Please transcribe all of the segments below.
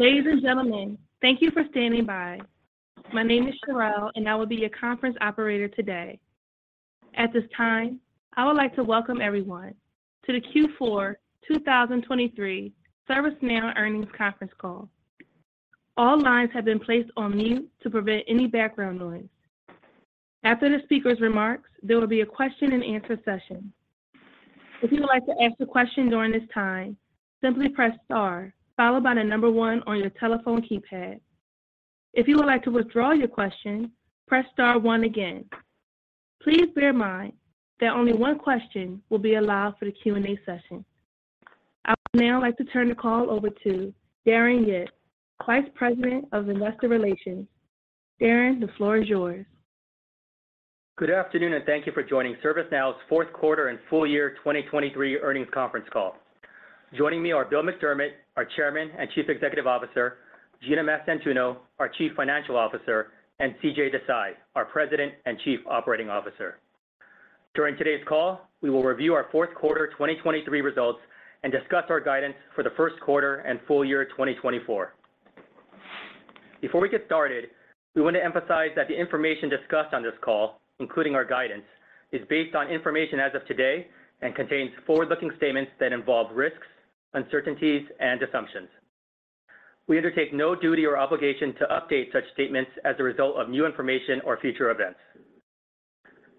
Ladies and gentlemen, thank you for standing by. My name is Cheryl, and I will be your conference operator today. At this time, I would like to welcome everyone to the Q4 2023 ServiceNow Earnings Conference Call. All lines have been placed on mute to prevent any background noise. After the speaker's remarks, there will be a question and answer session. If you would like to ask a question during this time, simply press star, followed by the number one on your telephone keypad. If you would like to withdraw your question, press star one again. Please bear in mind that only one question will be allowed for the Q&A session. I would now like to turn the call over to Darren Yip, Vice President of Investor Relations. Darren, the floor is yours. Good afternoon, and thank you for joining ServiceNow's Fourth Quarter and Full Year 2023 Earnings Conference Call. Joining me are Bill McDermott, our Chairman and Chief Executive Officer, Gina Mastantuono, our Chief Financial Officer, and CJ Desai, our President and Chief Operating Officer. During today's call, we will review our fourth quarter 2023 results and discuss our guidance for the first quarter and full year 2024. Before we get started, we want to emphasize that the information discussed on this call, including our guidance, is based on information as of today and contains forward-looking statements that involve risks, uncertainties, and assumptions. We undertake no duty or obligation to update such statements as a result of new information or future events.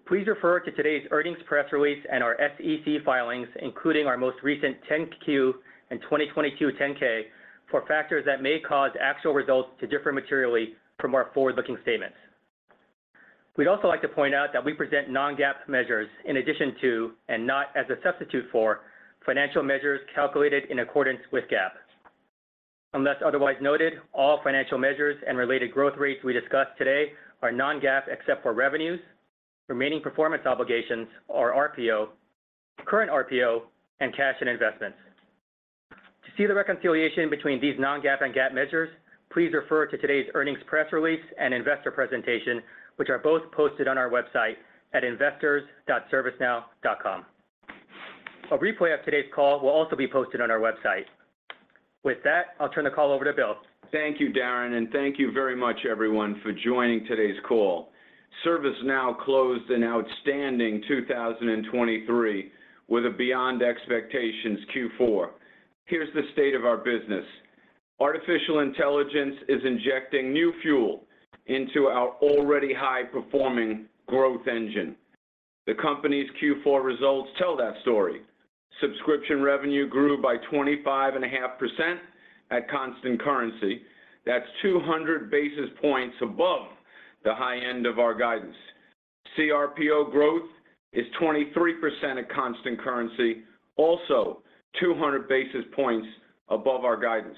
Please refer to today's earnings press release and our SEC filings, including our most recent 10-Q and 2022 10-K, for factors that may cause actual results to differ materially from our forward-looking statements. We'd also like to point out that we present non-GAAP measures in addition to, and not as a substitute for, financial measures calculated in accordance with GAAP. Unless otherwise noted, all financial measures and related growth rates we discuss today are non-GAAP, except for revenues, remaining performance obligations or RPO, current RPO, and cash and investments. To see the reconciliation between these non-GAAP and GAAP measures, please refer to today's earnings press release and investor presentation, which are both posted on our website at investors.servicenow.com. A replay of today's call will also be posted on our website. With that, I'll turn the call over to Bill. Thank you, Darren, and thank you very much, everyone, for joining today's call. ServiceNow closed an outstanding 2023 with a beyond expectations Q4. Here's the state of our business. Artificial intelligence is injecting new fuel into our already high-performing growth engine. The company's Q4 results tell that story. Subscription revenue grew by 25.5% at constant currency. That's 200 basis points above the high end of our guidance. cRPO growth is 23% at constant currency, also 200 basis points above our guidance.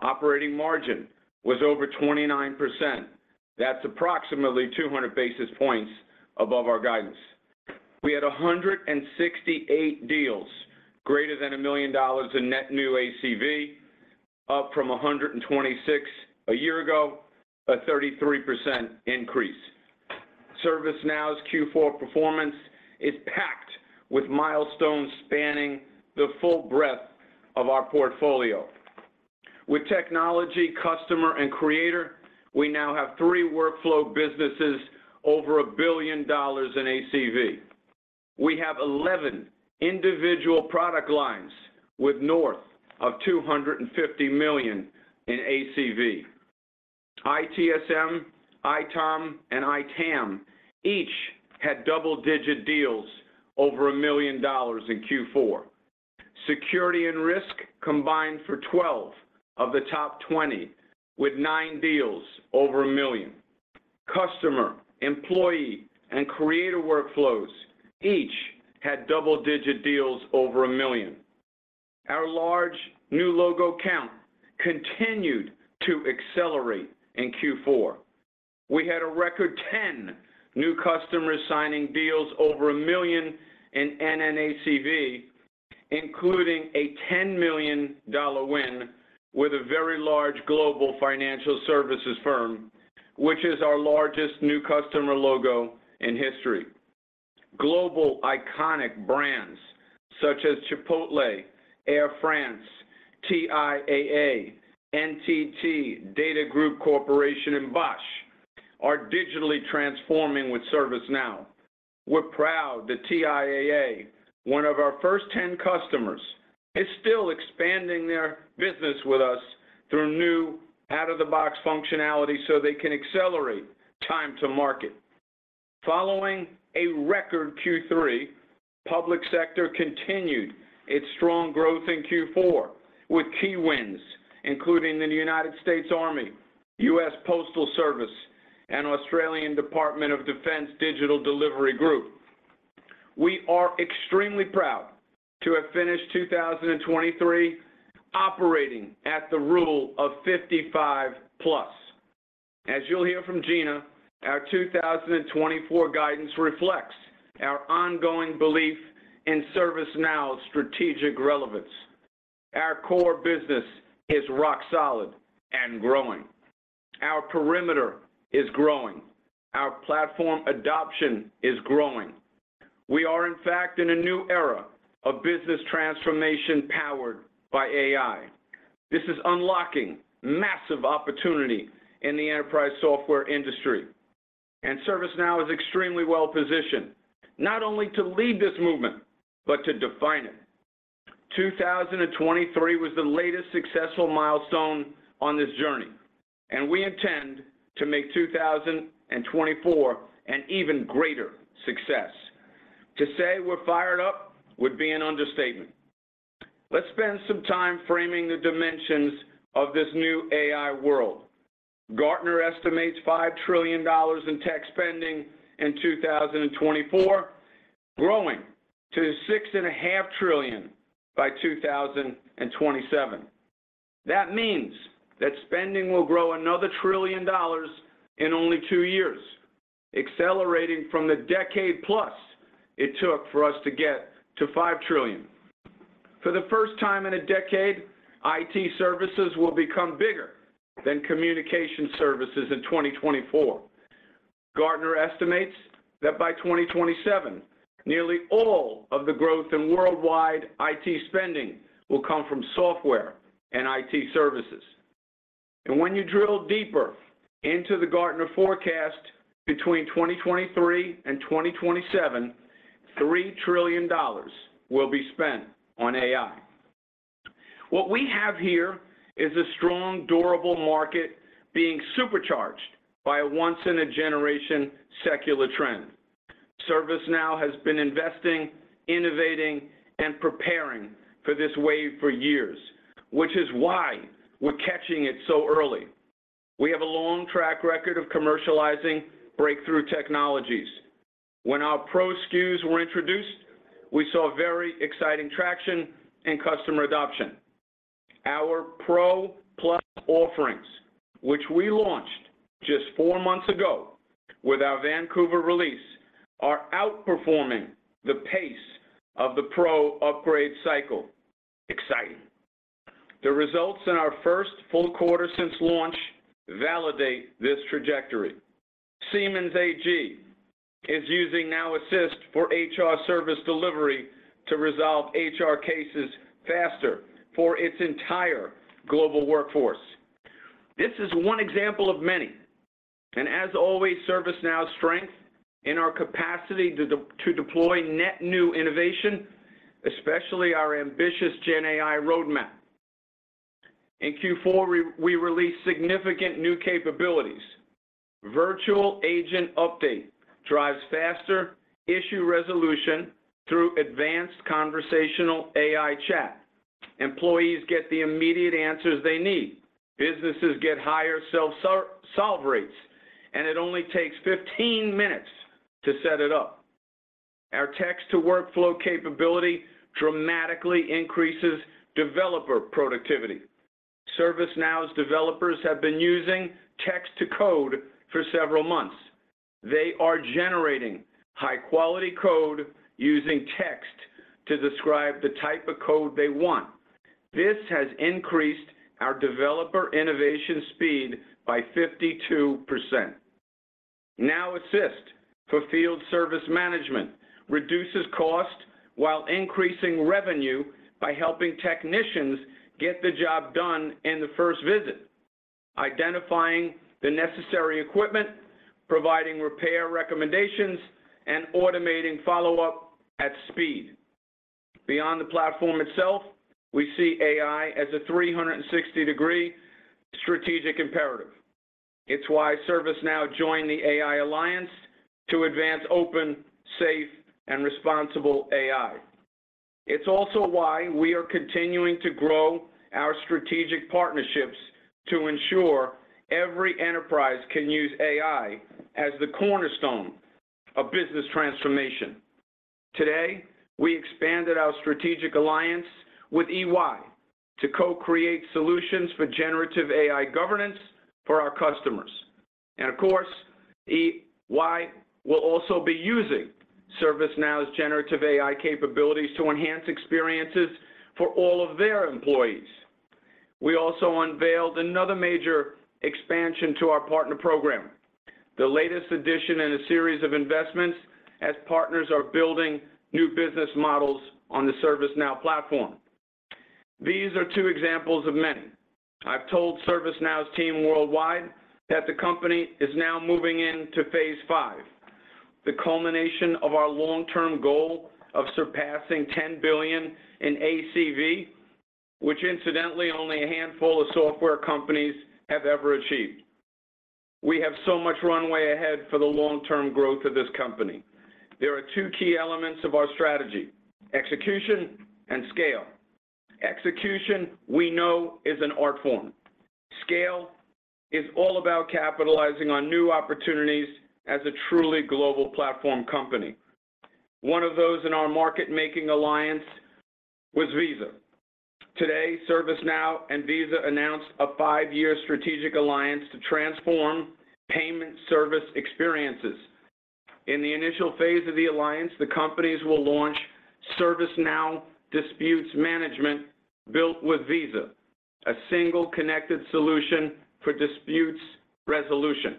Operating margin was over 29%. That's approximately 200 basis points above our guidance. We had 168 deals, greater than $1 million in net new ACV, up from 126 a year ago, a 33% increase. ServiceNow's Q4 performance is packed with milestones spanning the full breadth of our portfolio. With technology, customer, and creator, we now have 3 workflow businesses over $1 billion in ACV. We have 11 individual product lines with north of $250 million in ACV. ITSM, ITOM, and ITAM each had double-digit deals over $1 million in Q4. Security and risk combined for 12 of the top 20, with 9 deals over $1 million. Customer, employee, and Creator Workflows each had double-digit deals over $1 million. Our large new logo count continued to accelerate in Q4. We had a record 10 new customers signing deals over $1 million in NNACV, including a $10 million win with a very large global financial services firm, which is our largest new customer logo in history. Global iconic brands such as Chipotle, Air France, TIAA, NTT DATA Group Corporation, and Bosch are digitally transforming with ServiceNow. We're proud that TIAA, one of our first 10 customers, is still expanding their business with us through new out-of-the-box functionality so they can accelerate time to market. Following a record Q3, public sector continued its strong growth in Q4, with key wins, including the United States Army, US Postal Service, and Australian Department of Defence Digital Delivery Group. We are extremely proud to have finished 2023 operating at the Rule of 55 plus. As you'll hear from Gina, our 2024 guidance reflects our ongoing belief in ServiceNow's strategic relevance. Our core business is rock solid and growing.. Our perimeter is growing. Our platform adoption is growing. We are, in fact, in a new era of business transformation powered by AI. This is unlocking massive opportunity in the enterprise software industry, and ServiceNow is extremely well-positioned, not only to lead this movement, but to define it. 2023 was the latest successful milestone on this journey, and we intend to make 2024 an even greater success. To say we're fired up would be an understatement. Let's spend some time framing the dimensions of this new AI world. Gartner estimates $5 trillion in tech spending in 2024, growing to $6.5 trillion by 2027. That means that spending will grow another $1 trillion in only two years, accelerating from the decade plus it took for us to get to $5 trillion. For the first time in a decade, IT services will become bigger than communication services in 2024. Gartner estimates that by 2027, nearly all of the growth in worldwide IT spending will come from software and IT services. When you drill deeper into the Gartner forecast, between 2023 and 2027, $3 trillion will be spent on AI. What we have here is a strong, durable market being supercharged by a once-in-a-generation secular trend. ServiceNow has been investing, innovating, and preparing for this wave for years, which is why we're catching it so early. We have a long track record of commercializing breakthrough technologies. When our Pro SKUs were introduced, we saw very exciting traction and customer adoption. Our Pro Plus offerings, which we launched just four months ago with our Vancouver release, are outperforming the pace of the Pro upgrade cycle. Exciting! The results in our first full quarter since launch validate this trajectory. Siemens AG is using Now Assist for HR Service Delivery to resolve HR cases faster for its entire global workforce. This is one example of many, and as always, ServiceNow's strength in our capacity to deploy net new innovation, especially our ambitious GenAI roadmap. In Q4, we released significant new capabilities. Virtual Agent update drives faster issue resolution through advanced conversational AI chat. Employees get the immediate answers they need. Businesses get higher self-solve rates, and it only takes 15 minutes to set it up. Our text-to-workflow capability dramatically increases developer productivity. ServiceNow's developers have been using text-to-code for several months. They are generating high-quality code using text to describe the type of code they want. This has increased our developer innovation speed by 52%. Now Assist for field service management reduces cost while increasing revenue by helping technicians get the job done in the first visit, identifying the necessary equipment, providing repair recommendations, and automating follow-up at speed. Beyond the platform itself, we see AI as a 360-degree strategic imperative. It's why ServiceNow joined the AI Alliance to advance open, safe, and responsible AI. It's also why we are continuing to grow our strategic partnerships to ensure every enterprise can use AI as the cornerstone of business transformation. Today, we expanded our strategic alliance with EY to co-create solutions for generative AI governance for our customers. And of course, EY will also be using ServiceNow's generative AI capabilities to enhance experiences for all of their employees. We also unveiled another major expansion to our partner program, the latest addition in a series of investments as partners are building new business models on the ServiceNow platform. These are two examples of many. I've told ServiceNow's team worldwide that the company is now moving into phase five, the culmination of our long-term goal of surpassing $10 billion in ACV, which incidentally, only a handful of software companies have ever achieved. We have so much runway ahead for the long-term growth of this company. There are two key elements of our strategy: execution and scale. Execution, we know, is an art form. Scale is all about capitalizing on new opportunities as a truly global platform company. One of those in our market-making alliance was Visa. Today, ServiceNow and Visa announced a 5-year strategic alliance to transform payment service experiences.. In the initial phase of the alliance, the companies will launch ServiceNow Disputes Management, built with Visa, a single connected solution for disputes resolution.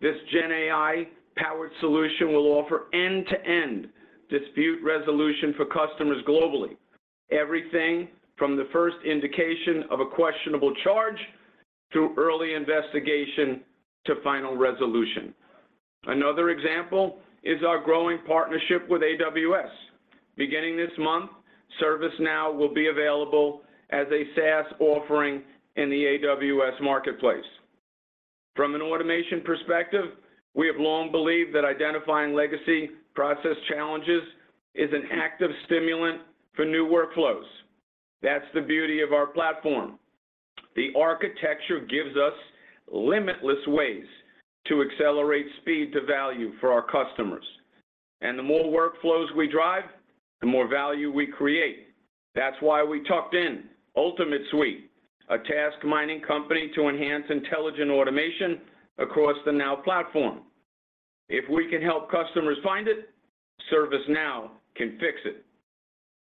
This GenAI-powered solution will offer end-to-end dispute resolution for customers globally, everything from the first indication of a questionable charge, to early investigation, to final resolution. Another example is our growing partnership with AWS. Beginning this month, ServiceNow will be available as a SaaS offering in the AWS Marketplace. From an automation perspective, we have long believed that identifying legacy process challenges is an active stimulant for new workflows. That's the beauty of our platform. The architecture gives us limitless ways to accelerate speed to value for our customers, and the more workflows we drive, the more value we create. That's why we tucked in UltimateSuite, a task mining company, to enhance intelligent automation across the Now Platform. If we can help customers find it, ServiceNow can fix it,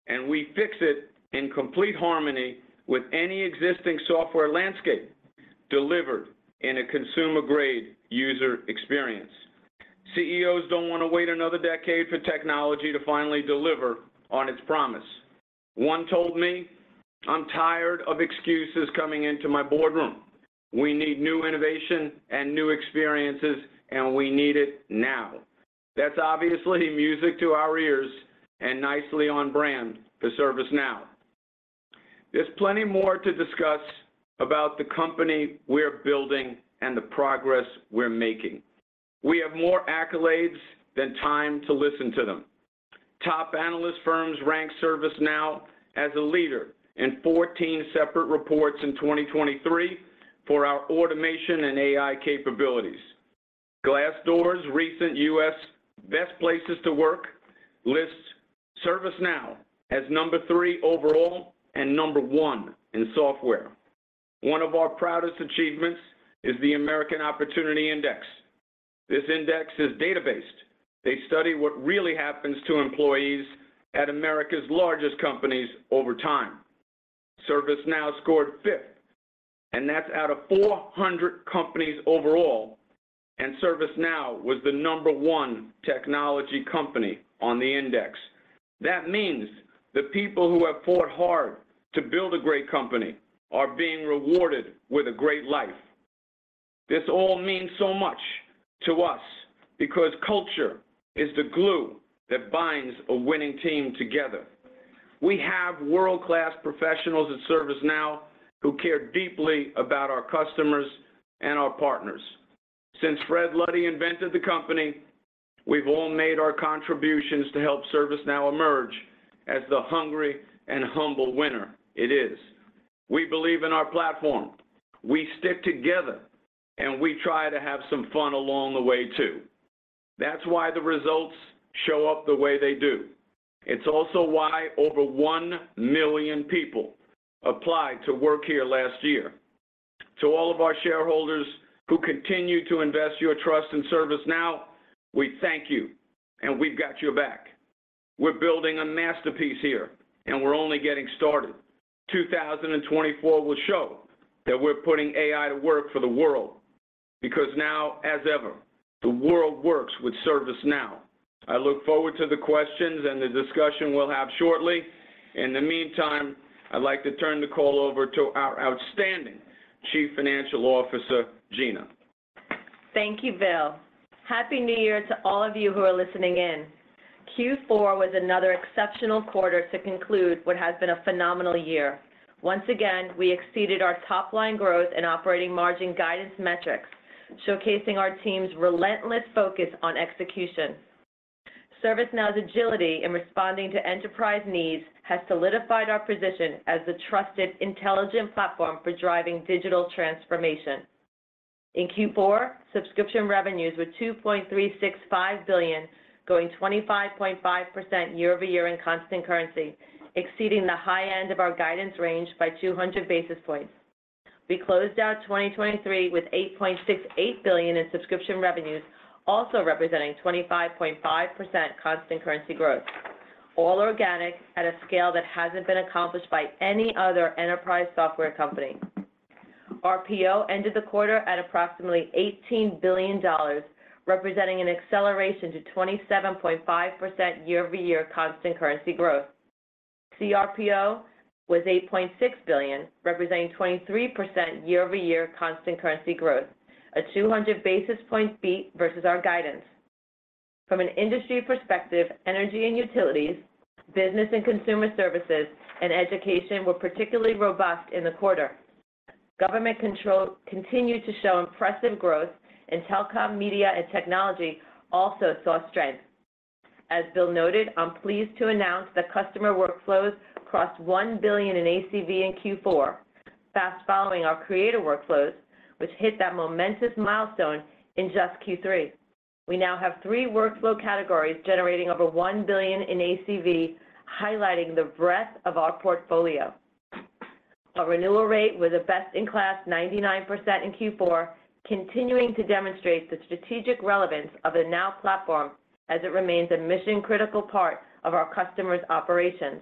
and we fix it in complete harmony with any existing software landscape, delivered in a consumer-grade user experience. CEOs don't wanna wait another decade for technology to finally deliver on its promise. One told me, "I'm tired of excuses coming into my boardroom. We need new innovation and new experiences, and we need it now." That's obviously music to our ears and nicely on brand for ServiceNow. There's plenty more to discuss about the company we're building and the progress we're making. We have more accolades than time to listen to them. Top analyst firms rank ServiceNow as a leader in 14 separate reports in 2023 for our automation and AI capabilities. Glassdoor's recent U.S. Best Places to Work lists ServiceNow as number 3 overall, and number 1 in software. One of our proudest achievements is the American Opportunity Index. This index is data-based. They study what really happens to employees at America's largest companies over time. ServiceNow scored fifth, and that's out of 400 companies overall, and ServiceNow was the number 1 technology company on the index. That means the people who have fought hard to build a great company are being rewarded with a great life. This all means so much to us because culture is the glue that binds a winning team together. We have world-class professionals at ServiceNow who care deeply about our customers and our partners. Since Fred Luddy invented the company, we've all made our contributions to help ServiceNow emerge as the hungry and humble winner it is. We believe in our platform. We stick together, and we try to have some fun along the way, too. That's why the results show up the way they do. It's also why over 1 million people applied to work here last year. To all of our shareholders who continue to invest your trust in ServiceNow, we thank you, and we've got your back. We're building a masterpiece here, and we're only getting started. 2024 will show that we're putting AI to work for the world, because now, as ever, the world works with ServiceNow. I look forward to the questions and the discussion we'll have shortly. In the meantime, I'd like to turn the call over to our outstanding Chief Financial Officer, Gina. Thank you, Bill. Happy New Year to all of you who are listening in. Q4 was another exceptional quarter to conclude what has been a phenomenal year. Once again, we exceeded our top-line growth and operating margin guidance metrics, showcasing our team's relentless focus on execution. ServiceNow's agility in responding to enterprise needs has solidified our position as the trusted, intelligent platform for driving digital transformation. In Q4, subscription revenues were $2.365 billion, going 25.5% year-over-year in constant currency, exceeding the high end of our guidance range by 200 basis points. We closed out 2023 with $8.68 billion in subscription revenues, also representing 25.5% constant currency growth, all organic at a scale that hasn't been accomplished by any other enterprise software company. RPO ended the quarter at approximately $18 billion, representing an acceleration to 27.5% year-over-year constant currency growth. cRPO was $8.6 billion, representing 23% year-over-year constant currency growth, a 200 basis point beat versus our guidance. From an industry perspective, energy and utilities, business and consumer services, and education were particularly robust in the quarter. Government control continued to show impressive growth, and telecom, media, and technology also saw strength. As Bill noted, I'm pleased to announce that Customer Workflows crossed $1 billion in ACV in Q4, fast following our creator workflows, which hit that momentous milestone in just Q3. We now have three workflow categories generating over $1 billion in ACV, highlighting the breadth of our portfolio.. Our renewal rate was a best-in-class 99% in Q4, continuing to demonstrate the strategic relevance of the Now Platform as it remains a mission-critical part of our customers' operations.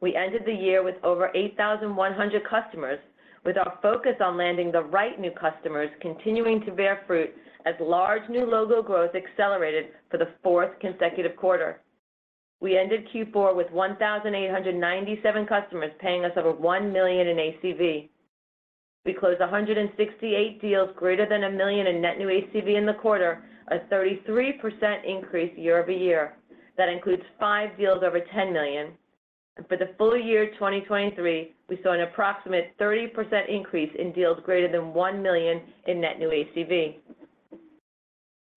We ended the year with over 8,100 customers, with our focus on landing the right new customers, continuing to bear fruit as large new logo growth accelerated for the fourth consecutive quarter. We ended Q4 with 1,897 customers paying us over $1 million in ACV. We closed 168 deals greater than $1 million in net new ACV in the quarter, a 33% increase year-over-year. That includes 5 deals over $10 million. For the full year, 2023, we saw an approximate 30% increase in deals greater than $1 million in net new ACV.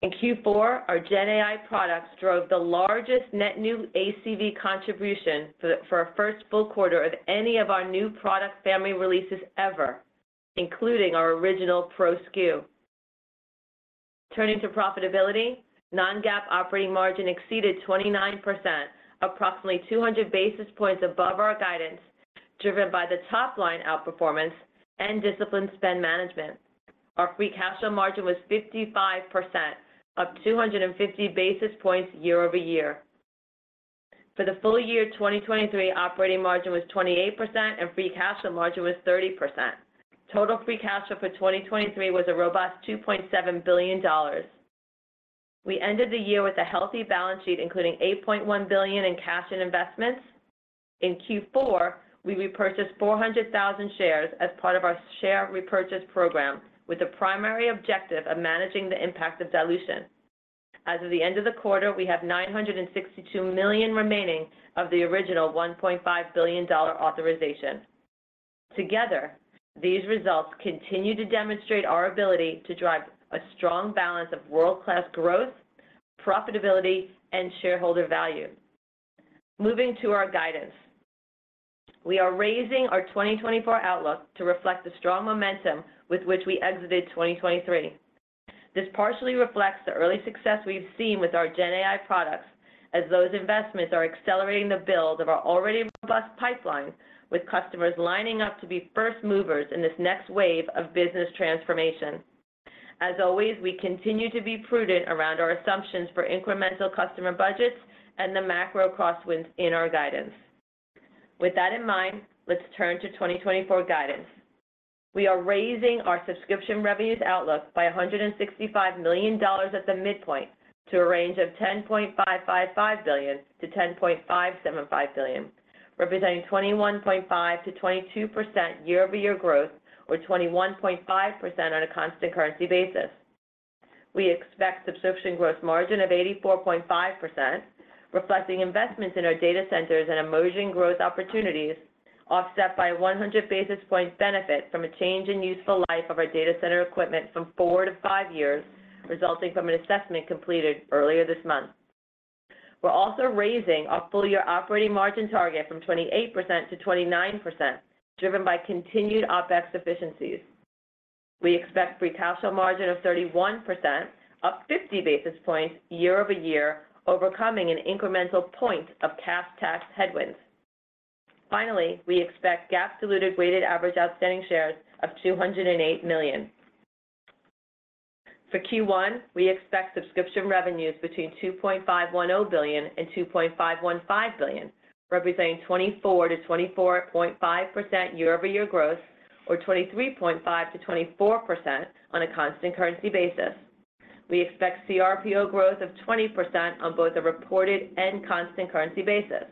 In Q4, our GenAI products drove the largest net new ACV contribution for our first full quarter of any of our new product family releases ever, including our original Pro SKU. Turning to profitability, Non-GAAP operating margin exceeded 29%, approximately 200 basis points above our guidance, driven by the top-line outperformance and disciplined spend management. Our free cash flow margin was 55%, up 250 basis points year-over-year. For the full year 2023, operating margin was 28%, and free cash flow margin was 30%. Total free cash flow for 2023 was a robust $2.7 billion. We ended the year with a healthy balance sheet, including $8.1 billion in cash and investments. In Q4, we repurchased 400,000 shares as part of our share repurchase program, with the primary objective of managing the impact of dilution. As of the end of the quarter, we have $962 million remaining of the original $1.5 billion authorization. Together, these results continue to demonstrate our ability to drive a strong balance of world-class growth, profitability, and shareholder value. Moving to our guidance. We are raising our 2024 outlook to reflect the strong momentum with which we exited 2023. This partially reflects the early success we've seen with our GenAI products, as those investments are accelerating the build of our already robust pipeline, with customers lining up to be first movers in this next wave of business transformation. As always, we continue to be prudent around our assumptions for incremental customer budgets and the macro crosswinds in our guidance. With that in mind, let's turn to 2024 guidance. We are raising our subscription revenues outlook by $165 million at the midpoint to a range of $10.555 billion-$10.575 billion, representing 21.5%-22% year-over-year growth, or 21.5% on a constant currency basis. We expect subscription growth margin of 84.5%, reflecting investments in our data centers and emerging growth opportunities, offset by 100 basis points benefit from a change in useful life of our data center equipment from 4 to 5 years, resulting from an assessment completed earlier this month. We're also raising our full-year operating margin target from 28%-29%, driven by continued OpEx efficiencies. We expect free cash flow margin of 31%, up 50 basis points year-over-year, overcoming an incremental point of cash tax headwinds. Finally, we expect GAAP diluted weighted average outstanding shares of 208 million. For Q1, we expect subscription revenues between $2.51 billion and $2.515 billion, representing 24%-24.5% year-over-year growth, or 23.5%-24% on a constant currency basis. We expect cRPO growth of 20% on both a reported and constant currency basis.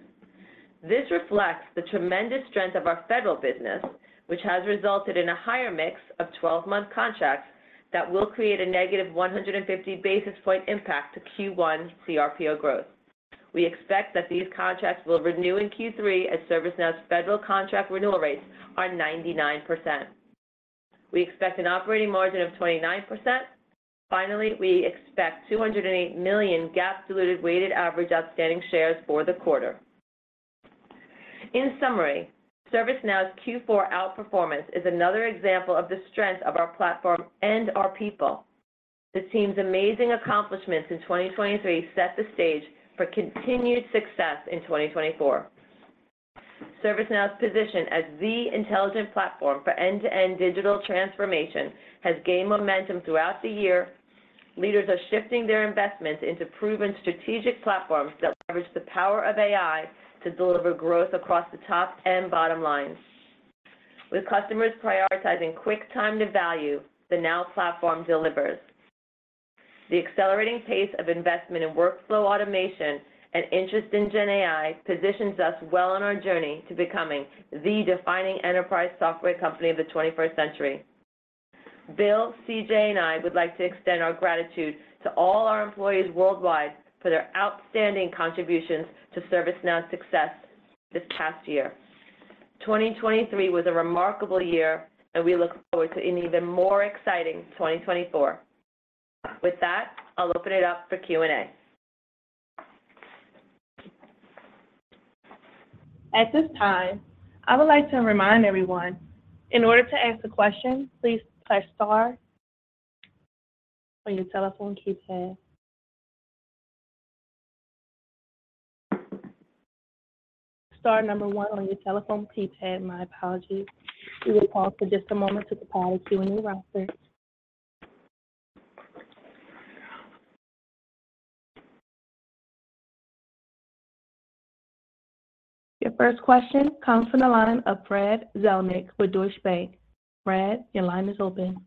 This reflects the tremendous strength of our federal business, which has resulted in a higher mix of 12-month contracts that will create a negative 150 basis point impact to Q1 cRPO growth. We expect that these contracts will renew in Q3, as ServiceNow's federal contract renewal rates are 99%. We expect an operating margin of 29%. Finally, we expect 208 million GAAP diluted weighted average outstanding shares for the quarter. In summary, ServiceNow's Q4 outperformance is another example of the strength of our platform and our people. The team's amazing accomplishments in 2023 set the stage for continued success in 2024. ServiceNow's position as the intelligent platform for end-to-end digital transformation has gained momentum throughout the year. Leaders are shifting their investments into proven strategic platforms that leverage the power of AI to deliver growth across the top and bottom lines. With customers prioritizing quick time to value, the Now platform delivers. The accelerating pace of investment in workflow automation and interest in GenAI positions us well on our journey to becoming the defining enterprise software company of the 21st century. Bill, CJ, and I would like to extend our gratitude to all our employees worldwide for their outstanding contributions to ServiceNow's success this past year. 2023 was a remarkable year, and we look forward to an even more exciting 2024. With that, I'll open it up for Q&A. At this time, I would like to remind everyone, in order to ask a question, please press star on your telephone keypad. Star number one on your telephone keypad. My apologies. We will pause for just a moment to compile the Q&A roster. Your first question comes from the line of Brad Zelnick with Deutsche Bank. Brad, your line is open.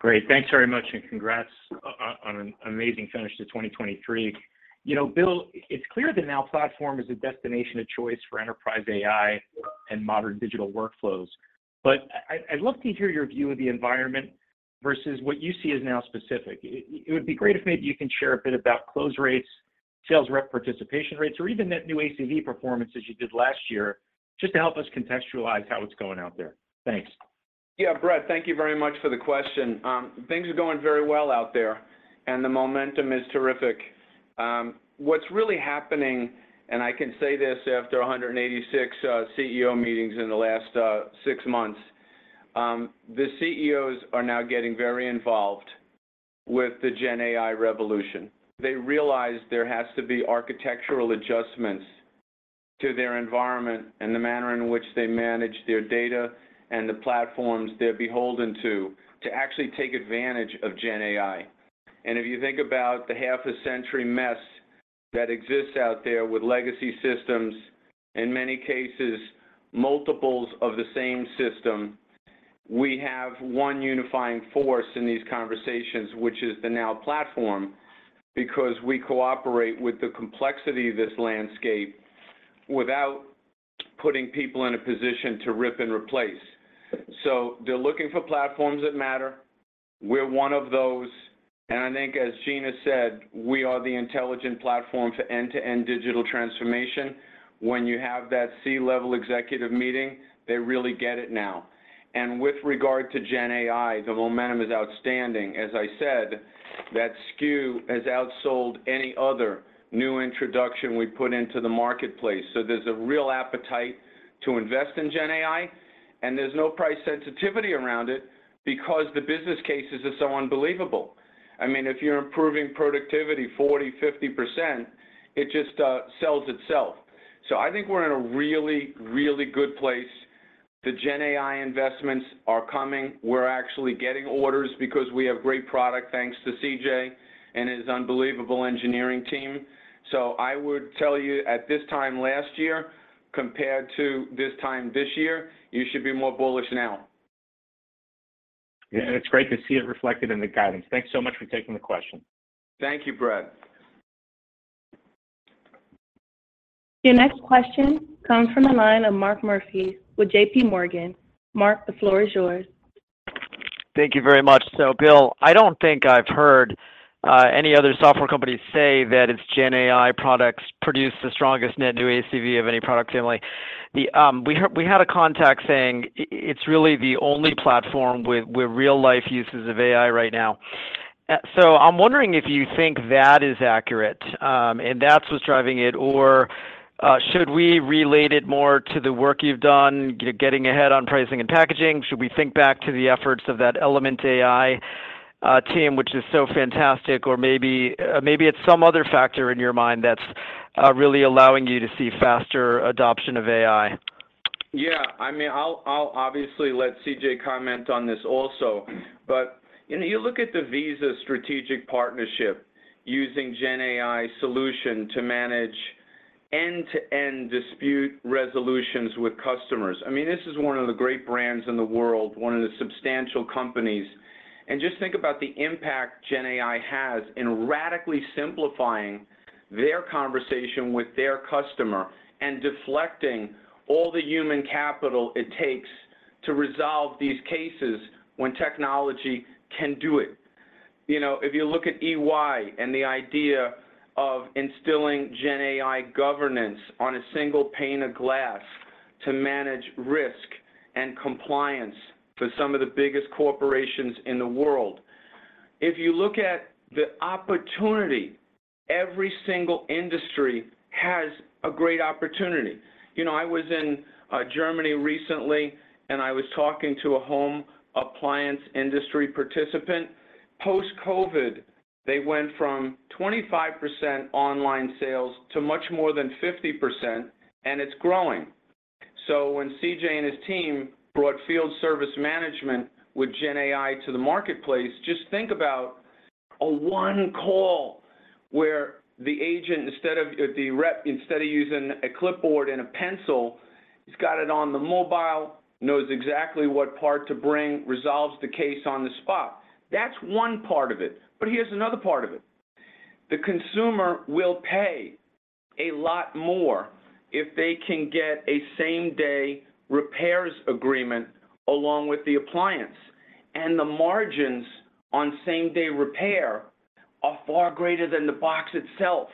Great. Thanks very much, and congrats on an amazing finish to 2023. You know, Bill, it's clear the Now Platform is a destination of choice for enterprise AI and modern digital workflows. But I'd love to hear your view of the environment versus what you see as Now specific. It would be great if maybe you can share a bit about close rates, sales rep participation rates, or even net new ACV performance as you did last year, just to help us contextualize how it's going out there. Thanks. Yeah, Brad, thank you very much for the question. Things are going very well out there, and the momentum is terrific. What's really happening, and I can say this after 186 CEO meetings in the last six months, the CEOs are now getting very involved with the GenAI revolution. They realize there has to be architectural adjustments to their environment and the manner in which they manage their data and the platforms they're beholden to, to actually take advantage of GenAI. And if you think about the half-a-century mess that exists out there with legacy systems, in many cases, multiples of the same system, we have one unifying force in these conversations, which is the Now Platform, because we cooperate with the complexity of this landscape without putting people in a position to rip and replace. So they're looking for platforms that matter. We're one of those, and I think, as Gina said, we are the intelligent platform for end-to-end digital transformation. When you have that C-level executive meeting, they really get it now. And with regard to GenAI, the momentum is outstanding. As I said, that SKU has outsold any other new introduction we put into the marketplace. So there's a real appetite to invest in GenAI, and there's no price sensitivity around it because the business cases are so unbelievable. I mean, if you're improving productivity 40%-50%, it just sells itself. So I think we're in a really, really good place. The GenAI investments are coming. We're actually getting orders because we have great product, thanks to CJ and his unbelievable engineering team. So I would tell you, at this time last year, compared to this time this year, you should be more bullish now. Yeah, and it's great to see it reflected in the guidance. Thanks so much for taking the question. Thank you, Brad. Your next question comes from the line of Mark Murphy with JP Morgan. Mark, the floor is yours. Thank you very much. So, Bill, I don't think I've heard any other software company say that its GenAI products produce the strongest net new ACV of any product family. The. We heard—we had a contact saying it's really the only platform with real-life uses of AI right now. So I'm wondering if you think that is accurate, and that's what's driving it, or should we relate it more to the work you've done, getting ahead on pricing and packaging? Should we think back to the efforts of that Element AI team, which is so fantastic, or maybe it's some other factor in your mind that's really allowing you to see faster adoption of AI? Yeah. I mean, I'll, I'll obviously let CJ comment on this also. But, you know, you look at the Visa strategic partnership, using GenAI solution to manage end-to-end dispute resolutions with customers. I mean, this is one of the great brands in the world, one of the substantial companies. And just think about the impact GenAI has in radically simplifying their conversation with their customer and deflecting all the human capital it takes to resolve these cases when technology can do it. You know, if you look at EY and the idea of instilling GenAI governance on a single pane of glass to manage risk and compliance for some of the biggest corporations in the world. If you look at the opportunity, every single industry has a great opportunity. You know, I was in Germany recently, and I was talking to a home appliance industry participant. Post-COVID, they went from 25% online sales to much more than 50%, and it's growing. So when CJ and his team brought field service management with GenAI to the marketplace, just think about a one call where the agent, instead of the rep, instead of using a clipboard and a pencil, he's got it on the mobile, knows exactly what part to bring, resolves the case on the spot. That's one part of it, but here's another part of it: the consumer will pay a lot more if they can get a same-day repairs agreement along with the appliance, and the margins on same-day repair are far greater than the box itself.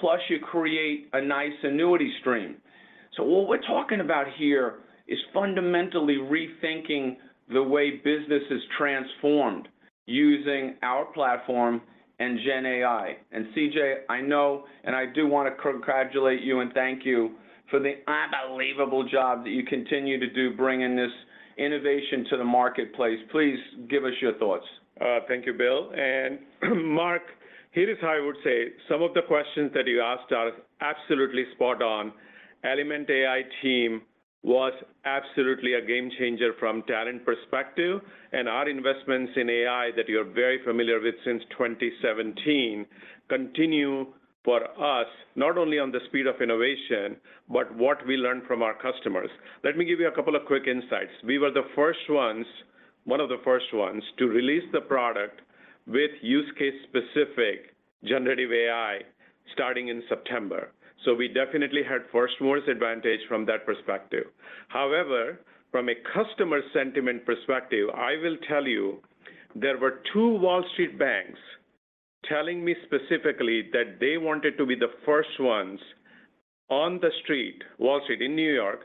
Plus, you create a nice annuity stream. So what we're talking about here is fundamentally rethinking the way business is transformed using our platform and GenAI. CJ, I know, and I do want to congratulate you and thank you for the unbelievable job that you continue to do bringing this innovation to the marketplace. Please give us your thoughts. Thank you, Bill. And Mark, Here is how I would say, some of the questions that you asked are absolutely spot on. Element AI team was absolutely a game changer from talent perspective, and our investments in AI that you're very familiar with since 2017, continue for us, not only on the speed of innovation, but what we learn from our customers. Let me give you a couple of quick insights. We were the first ones, one of the first ones, to release the product with use case-specific generative AI starting in September. So we definitely had first movers advantage from that perspective. However, from a customer sentiment perspective, I will tell you there were two Wall Street banks telling me specifically that they wanted to be the first ones on the street, Wall Street in New York,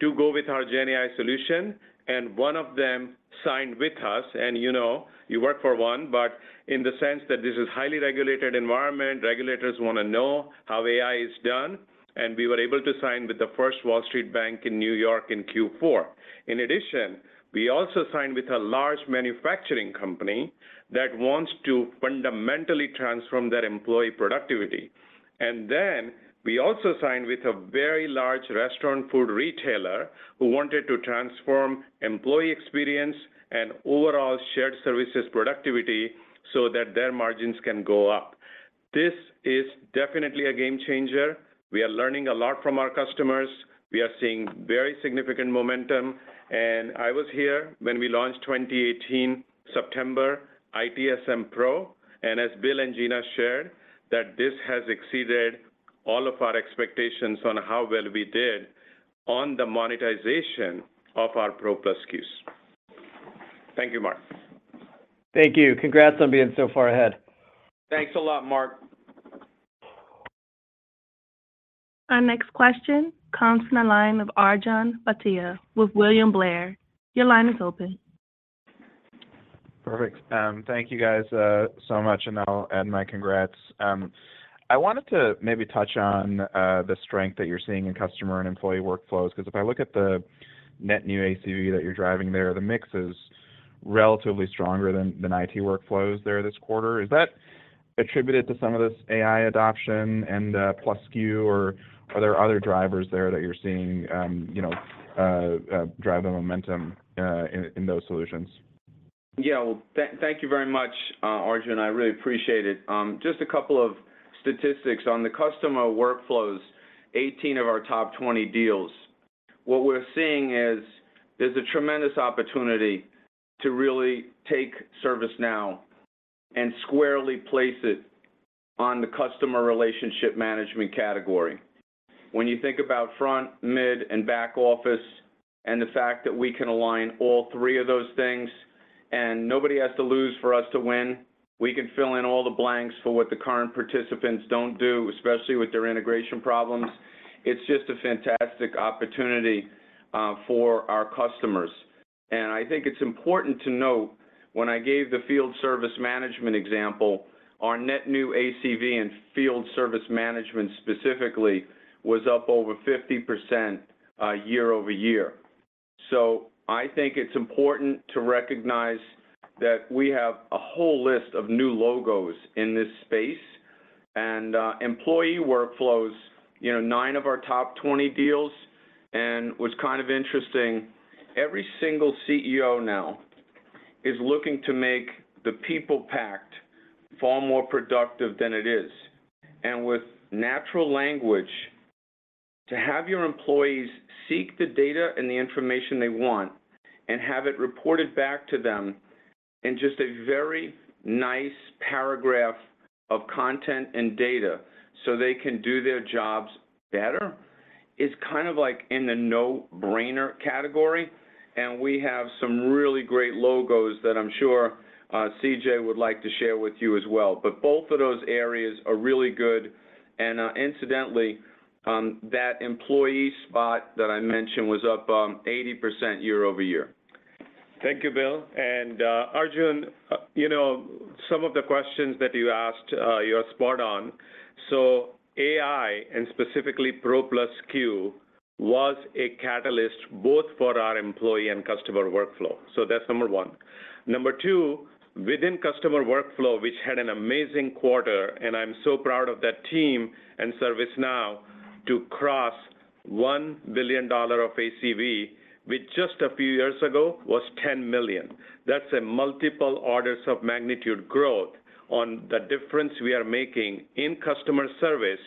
to go with our GenAI solution, and one of them signed with us, and, you know, you work for one, but in the sense that this is highly regulated environment, regulators wanna know how AI is done, and we were able to sign with the first Wall Street bank in New York in Q4. In addition, we also signed with a large manufacturing company that wants to fundamentally transform their employee productivity. Then we also signed with a very large restaurant food retailer who wanted to transform employee experience and overall shared services productivity so that their margins can go up. This is definitely a game changer. We are learning a lot from our customers. We are seeing very significant momentum, and I was here when we launched 2018, September, ITSM Pro, and as Bill and Gina shared, that this has exceeded all of our expectations on how well we did on the monetization of our ProPlus SKUs. Thank you, Mark. Thank you. Congrats on being so far ahead. Thanks a lot, Mark. Our next question comes from the line of Arjun Bhatia with William Blair. Your line is open. Perfect. Thank you guys so much, and I'll add my congrats. I wanted to maybe touch on the strength that you're seeing in customer and employee workflows, 'cause if I look at the Net New ACV that you're driving there, the mix is relatively stronger than IT workflows there this quarter. Is that attributed to some of this AI adoption and plus SKU, or are there other drivers there that you're seeing, you know, drive the momentum in those solutions? Yeah, well, thank you very much, Arjun. I really appreciate it. Just a couple of statistics. On the Customer Workflows, 18 of our top 20 deals, what we're seeing is, there's a tremendous opportunity to really take ServiceNow and squarely place it on the customer relationship management category. When you think about front, mid, and back office, and the fact that we can align all three of those things, and nobody has to lose for us to win, we can fill in all the blanks for what the current participants don't do, especially with their integration problems. It's just a fantastic opportunity for our customers. And I think it's important to note, when I gave the Field Service Management example, our net new ACV in Field Service Management specifically was up over 50% year-over-year. So I think it's important to recognize that we have a whole list of new logos in this space. And, employee workflows, you know, 9 of our top 20 deals, and what's kind of interesting, every single CEO now is looking to make the people pact far more productive than it is. And with natural language, to have your employees seek the data and the information they want, and have it reported back to them in just a very nice paragraph of content and data, so they can do their jobs better, is kind of like in the no-brainer category, and we have some really great logos that I'm sure, CJ would like to share with you as well. But both of those areas are really good, and, incidentally, that employee spot that I mentioned was up, 80% year-over-year. Thank you, Bill. Arjun, you know, some of the questions that you asked, you are spot on. So AI, and specifically Pro Plus SKU, was a catalyst both for our employee and customer workflow. So that's number one. Number two, within customer workflow, which had an amazing quarter, and I'm so proud of that team and ServiceNow, to cross $1 billion of ACV, with just a few years ago, was $10 million. That's a multiple orders of magnitude growth on the difference we are making in customer service,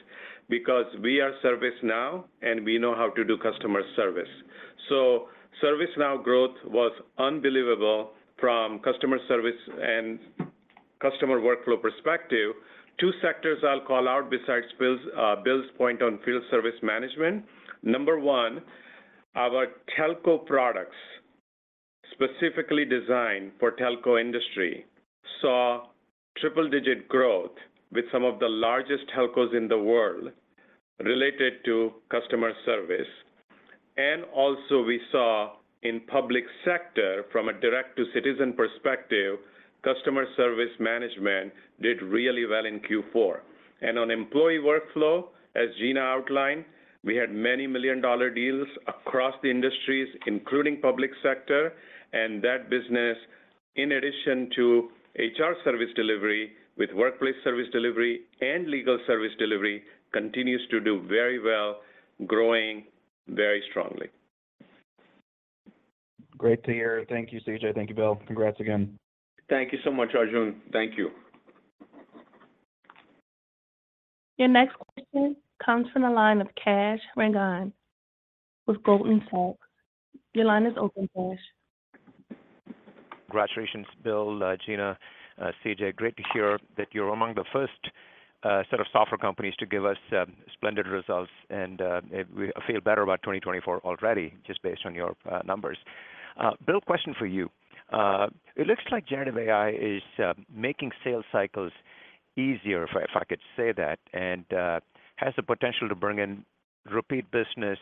because we are ServiceNow, and we know how to do customer service. So ServiceNow growth was unbelievable from customer service and customer workflow perspective. Two sectors I'll call out besides Bill's, Bill's point on field service management. Number one, our telco products, specifically designed for telco industry, saw triple-digit growth with some of the largest telcos in the world related to customer service. Also we saw in public sector, from a direct to citizen perspective, Customer Service Management did really well in Q4. On employee workflow, as Gina outlined, we had many million-dollar deals across the industries, including public sector, and that business. In addition to HR Service Delivery, with Workplace Service Delivery and Legal Service Delivery continues to do very well, growing very strongly. Great to hear. Thank you, CJ. Thank you, Bill. Congrats again. Thank you so much, Arjun. Thank you. Your next question comes from the line of Kash Rangan with Goldman Sachs. Your line is open, Kash. Congratulations, Bill, Gina, CJ, great to hear that you're among the first set of software companies to give us splendid results, and we feel better about 2024 already, just based on your numbers. Bill, question for you. It looks like generative AI is making sales cycles easier, if I could say that, and has the potential to bring in repeat business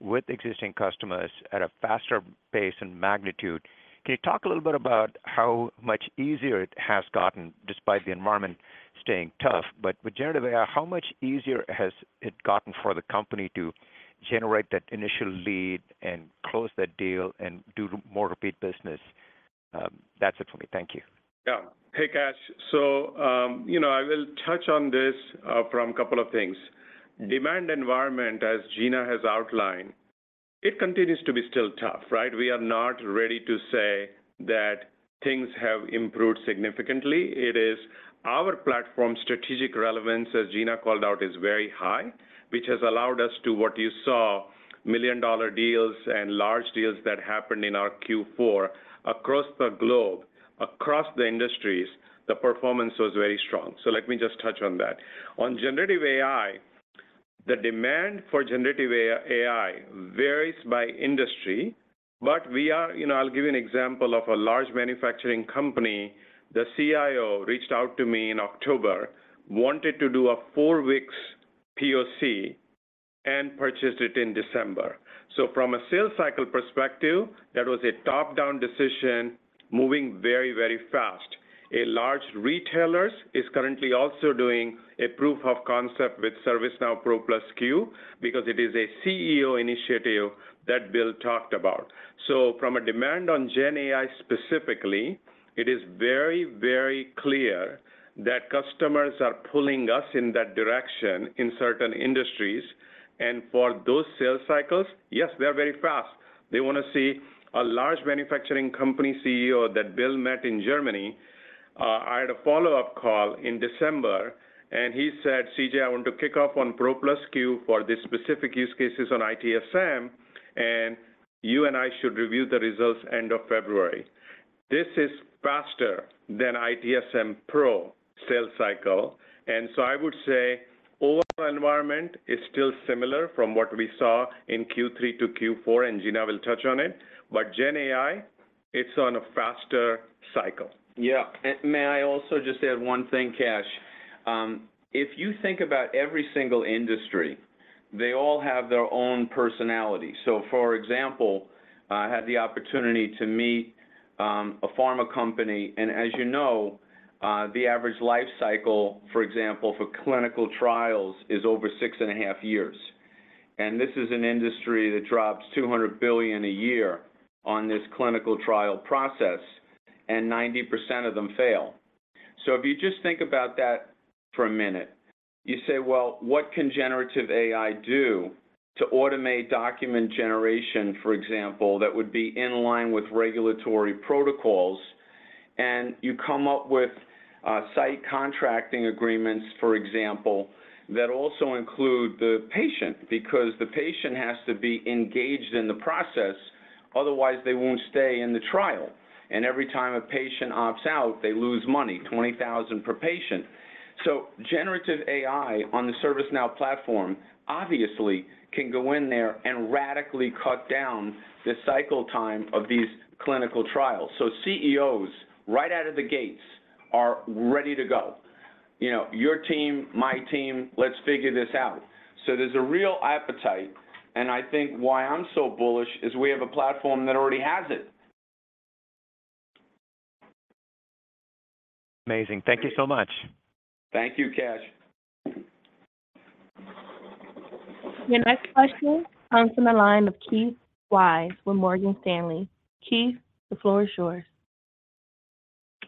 with existing customers at a faster pace and magnitude. Can you talk a little bit about how much easier it has gotten despite the environment staying tough, but with generative AI, how much easier has it gotten for the company to generate that initial lead and close that deal and do more repeat business? That's it for me. Thank you. Yeah. Hey, Kash. So, you know, I will touch on this, from a couple of things. Mm-hmm. Demand environment, as Gina has outlined, it continues to be still tough, right? We are not ready to say that things have improved significantly. It is our platform's strategic relevance, as Gina called out, is very high, which has allowed us to what you saw, million-dollar deals and large deals that happened in our Q4 across the globe, across the industries, the performance was very strong. So let me just touch on that. On generative AI, the demand for generative AI, AI varies by industry, but we are. You know, I'll give you an example of a large manufacturing company. The CIO reached out to me in October, wanted to do a four weeks POC and purchased it in December. So from a sales cycle perspective, that was a top-down decision moving very, very fast. A large retailer is currently also doing a proof of concept with ServiceNow Pro Plus SKU because it is a CEO initiative that Bill talked about. So from a demand on gen AI specifically, it is very, very clear that customers are pulling us in that direction in certain industries. And for those sales cycles, yes, they're very fast. They want to see a large manufacturing company CEO that Bill met in Germany. I had a follow-up call in December, and he said: "CJ, I want to kick off on Pro Plus SKU for the specific use cases on ITSM, and you and I should review the results end of February." This is faster than ITSM Pro sales cycle, and so I would say overall environment is still similar from what we saw in Q3 to Q4, and Gina will touch on it, but gen AI, it's on a faster cycle. Yeah. May I also just add one thing, Kash? If you think about every single industry, they all have their own personality. So, for example, I had the opportunity to meet a pharma company, and as you know, the average life cycle, for example, for clinical trials, is over six and a half years. This is an industry that drops $200 billion a year on this clinical trial process, and 90% of them fail. So if you just think about that for a minute, you say, well, what can generative AI do to automate document generation, for example, that would be in line with regulatory protocols? And you come up with site contracting agreements, for example, that also include the patient, because the patient has to be engaged in the process, otherwise they won't stay in the trial. Every time a patient opts out, they lose money, $20,000 per patient. So generative AI on the ServiceNow platform obviously can go in there and radically cut down the cycle time of these clinical trials. So CEOs, right out of the gates, are ready to go. You know, your team, my team, let's figure this out. So there's a real appetite, and I think why I'm so bullish is we have a platform that already has it. Amazing. Thank you so much. Thank you, Kash. Your next question comes from the line of Keith Weiss with Morgan Stanley. Keith, the floor is yours.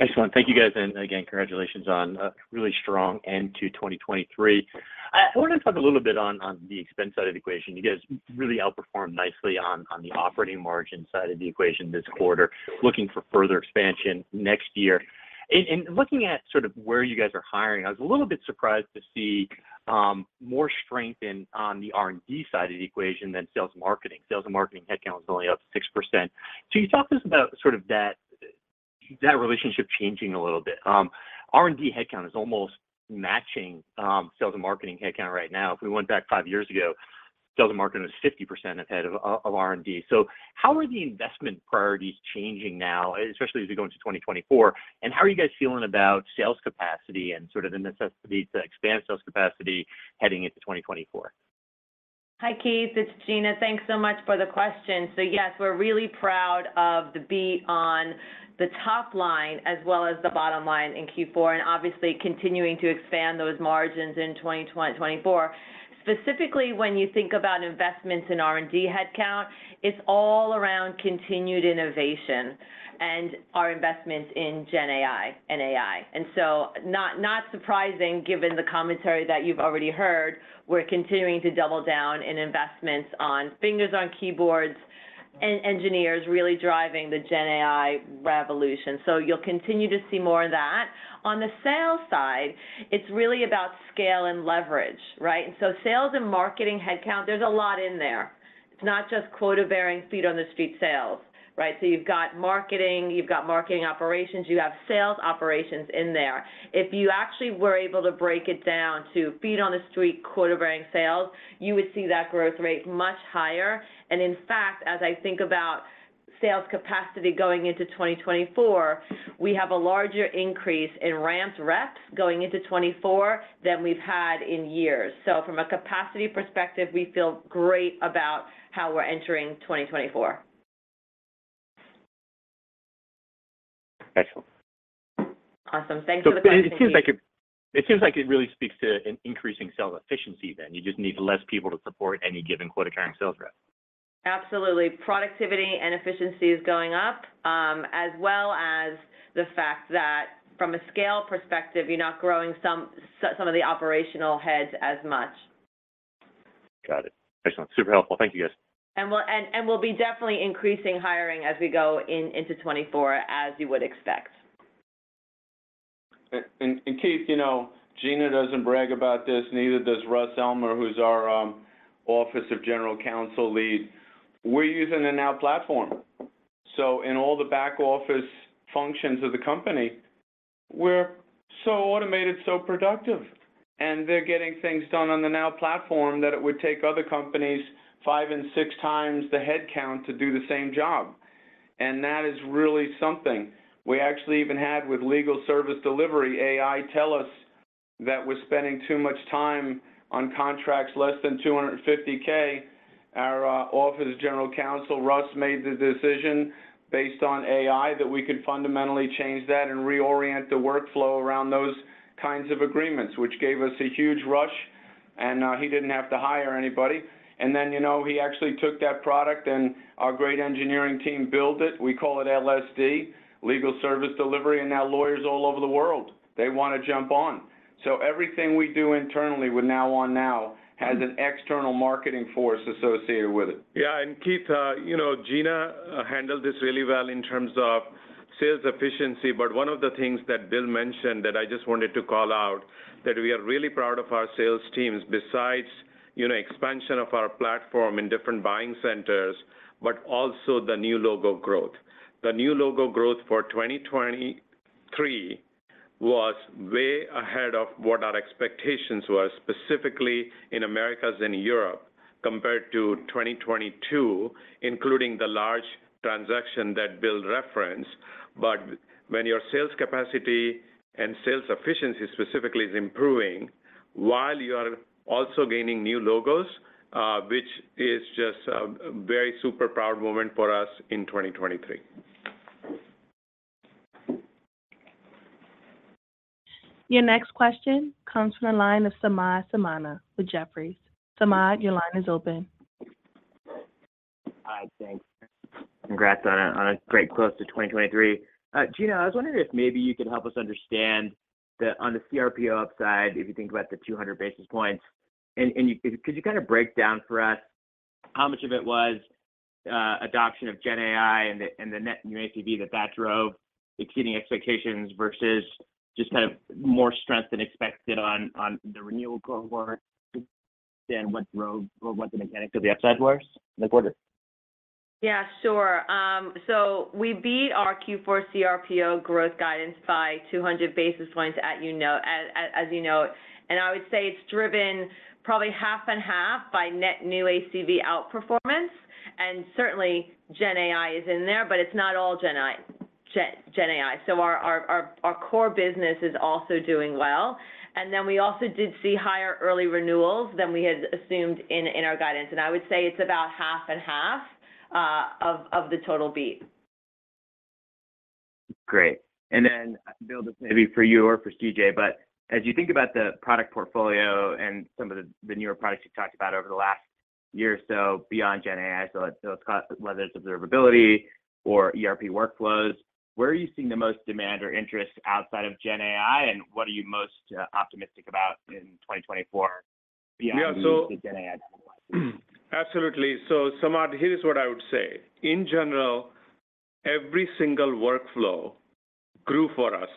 Excellent. Thank you, guys, and again, congratulations on a really strong end to 2023. I wanted to talk a little bit on the expense side of the equation. You guys really outperformed nicely on the operating margin side of the equation this quarter, looking for further expansion next year. Looking at sort of where you guys are hiring, I was a little bit surprised to see more strength in on the R&D side of the equation than sales and marketing. Sales and marketing headcount was only up 6%. Can you talk to us about sort of that relationship changing a little bit? R&D headcount is almost matching sales and marketing headcount right now. If we went back five years ago, sales and marketing was 50% ahead of R&D. How are the investment priorities changing now, especially as we go into 2024? How are you guys feeling about sales capacity and sort of the necessity to expand sales capacity heading into 2024? Hi, Keith, it's Gina. Thanks so much for the question. So, yes, we're really proud of the beat on the top line as well as the bottom line in Q4, and obviously continuing to expand those margins in 2024. Specifically, when you think about investments in R&D headcount, it's all around continued innovation and our investments in GenAI and AI. And so not, not surprising, given the commentary that you've already heard, we're continuing to double down in investments on fingers on keyboards and engineers really driving the GenAI revolution. So you'll continue to see more of that. On the sales side, it's really about scale and leverage, right? And so sales and marketing headcount, there's a lot in there. It's not just quota-bearing, feet-on-the-street sales, right? So you've got marketing, you've got marketing operations, you have sales operations in there. If you actually were able to break it down to feet-on-the-street, quota-bearing sales, you would see that growth rate much higher. And in fact, as I think about sales capacity going into 2024, we have a larger increase in ramped reps going into 2024 than we've had in years. So from a capacity perspective, we feel great about how we're entering 2024. Excellent. Awesome. Thanks for the question, Keith. It seems like it, it seems like it really speaks to an increasing sales efficiency, then. You just need less people to support any given quota-carrying sales rep. Absolutely. Productivity and efficiency is going up, as well as the fact that from a scale perspective, you're not growing some of the operational heads as much. Got it. Excellent. Super helpful. Thank you, guys. And we'll be definitely increasing hiring as we go into 2024, as you would expect. Keith, you know, Gina doesn't brag about this, neither does Russ Elmer, who's our Office of General Counsel lead. We're using the Now Platform. So in all the back office functions of the company, we're so automated, so productive, and they're getting things done on the Now Platform that it would take other companies five and six times the headcount to do the same job. And that is really something. We actually even had with Legal Service Delivery, AI tell us that we're spending too much time on contracts less than $250K. Our Office of General Counsel, Russ, made the decision based on AI, that we could fundamentally change that and reorient the workflow around those kinds of agreements, which gave us a huge rush, and he didn't have to hire anybody. And then, you know, he actually took that product and our great engineering team built it. We call it LSD, Legal Service Delivery, and now lawyers all over the world, they wanna jump on. So everything we do internally with Now on Now has an external marketing force associated with it. Yeah, and Keith, you know, Gina handled this really well in terms of sales efficiency, but one of the things that Bill mentioned that I just wanted to call out, that we are really proud of our sales teams, besides, you know, expansion of our platform in different buying centers, but also the new logo growth. The new logo growth for 2023 was way ahead of what our expectations were, specifically in Americas and Europe, compared to 2022, including the large transaction that Bill referenced. But when your sales capacity and sales efficiency specifically is improving while you are also gaining new logos, which is just a very super proud moment for us in 2023. Your next question comes from the line of Samad Samana with Jefferies. Samad, your line is open. Hi, thanks. Congrats on a great close to 2023. Gina, I was wondering if maybe you could help us understand the on the cRPO upside, if you think about the 200 basis points, and could you kind of break down for us how much of it was adoption of GenAI and the net new ACV that that drove exceeding expectations, versus just kind of more strength than expected on the renewal cohort? Then what drove or what the mechanics of the upside was in the quarter? Yeah, sure. So we beat our Q4 cRPO growth guidance by 200 basis points, at, you know, as you know, and I would say it's driven probably half and half by net new ACV outperformance. And certainly, GenAI is in there, but it's not all GenAI. So our core business is also doing well. And then we also did see higher early renewals than we had assumed in our guidance, and I would say it's about half and half of the total beat. Great. And then, Bill, this may be for you or for CJ, but as you think about the product portfolio and some of the newer products you've talked about over the last year or so beyond GenAI, so, whether it's observability or ERP workflows, where are you seeing the most demand or interest outside of GenAI, and what are you most optimistic about in 2024 beyond- Yeah, so- GenAI? Absolutely. So Samad, here is what I would say: in general, every single workflow grew for us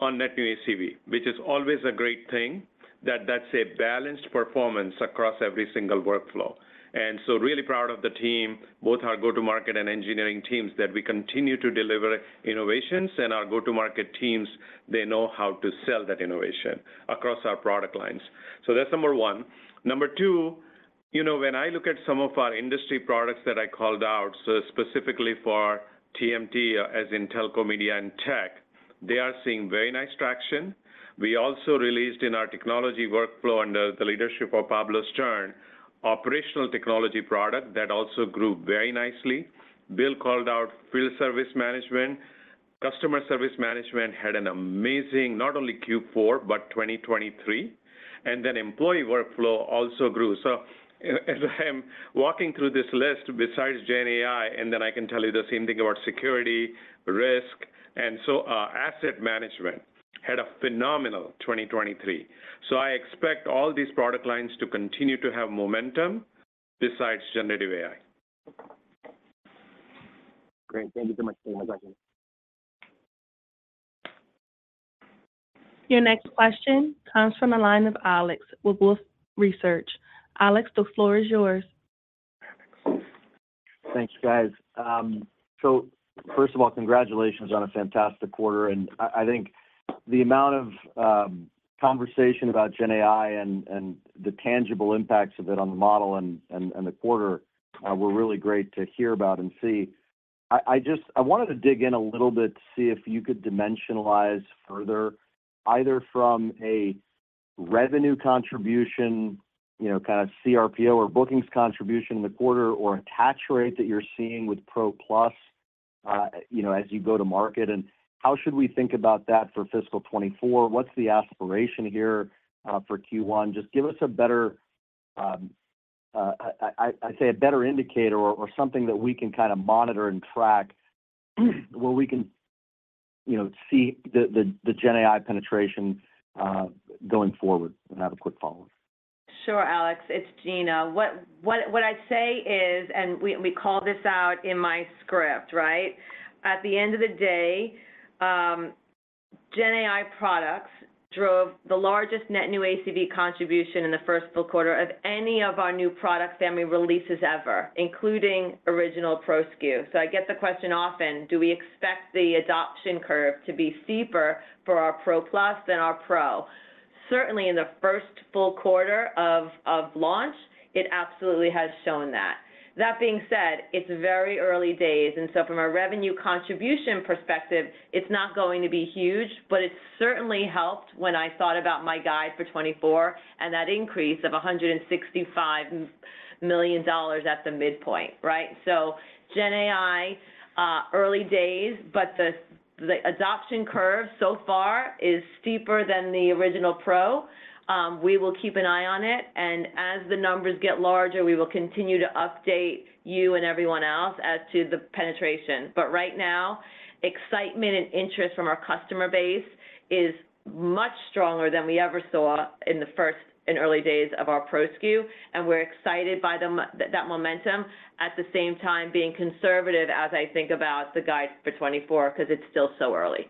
on net new ACV, which is always a great thing, that that's a balanced performance across every single workflow. And so really proud of the team, both our go-to-market and engineering teams, that we continue to deliver innovations, and our go-to-market teams, they know how to sell that innovation across our product lines. So that's number one. Number two, you know, when I look at some of our industry products that I called out, so specifically for TMT, as in telco, media, and tech they are seeing very nice traction. We also released in our technology workflow, under the leadership of Pablo Stern, operational technology product that also grew very nicely. Bill called out field service management. Customer Service Management had an amazing, not only Q4, but 2023, and then Employee Workflows also grew. So as I am walking through this list, besides GenAI, and then I can tell you the same thing about security, risk, and so, asset management had a phenomenal 2023. So I expect all these product lines to continue to have momentum besides generative AI. Great. Thank you so much. One second. Your next question comes from the line of Alex with Wolfe Research. Alex, the floor is yours. Thanks, guys. So first of all, congratulations on a fantastic quarter, and I think the amount of conversation about GenAI and the tangible impacts of it on the model and the quarter were really great to hear about and see. I just wanted to dig in a little bit to see if you could dimensionalize further, either from a revenue contribution, you know, kind of cRPO or bookings contribution in the quarter, or attach rate that you're seeing with Pro Plus, you know, as you go to market, and how should we think about that for fiscal 2024? What's the aspiration here for Q1? Just give us a better indicator or something that we can kind of monitor and track, where we can, you know, see the GenAI penetration going forward. And I have a quick follow-up. Sure, Alex. It's Gina. What I'd say is, and we called this out in my script, right? At the end of the day, GenAI products drove the largest net new ACV contribution in the first full quarter of any of our new product family releases ever, including original Pro SKU. So I get the question often: Do we expect the adoption curve to be steeper for our Pro Plus than our Pro? Certainly, in the first full quarter of launch, it absolutely has shown that. That being said, it's very early days, and so from a revenue contribution perspective, it's not going to be huge, but it certainly helped when I thought about my guide for 2024 and that increase of $165 million at the midpoint, right? So GenAI, early days, but the adoption curve so far is steeper than the original Pro. We will keep an eye on it, and as the numbers get larger, we will continue to update you and everyone else as to the penetration. But right now, excitement and interest from our customer base is much stronger than we ever saw in the first and early days of our Pro SKU, and we're excited by that momentum, at the same time being conservative as I think about the guide for 2024, because it's still so early.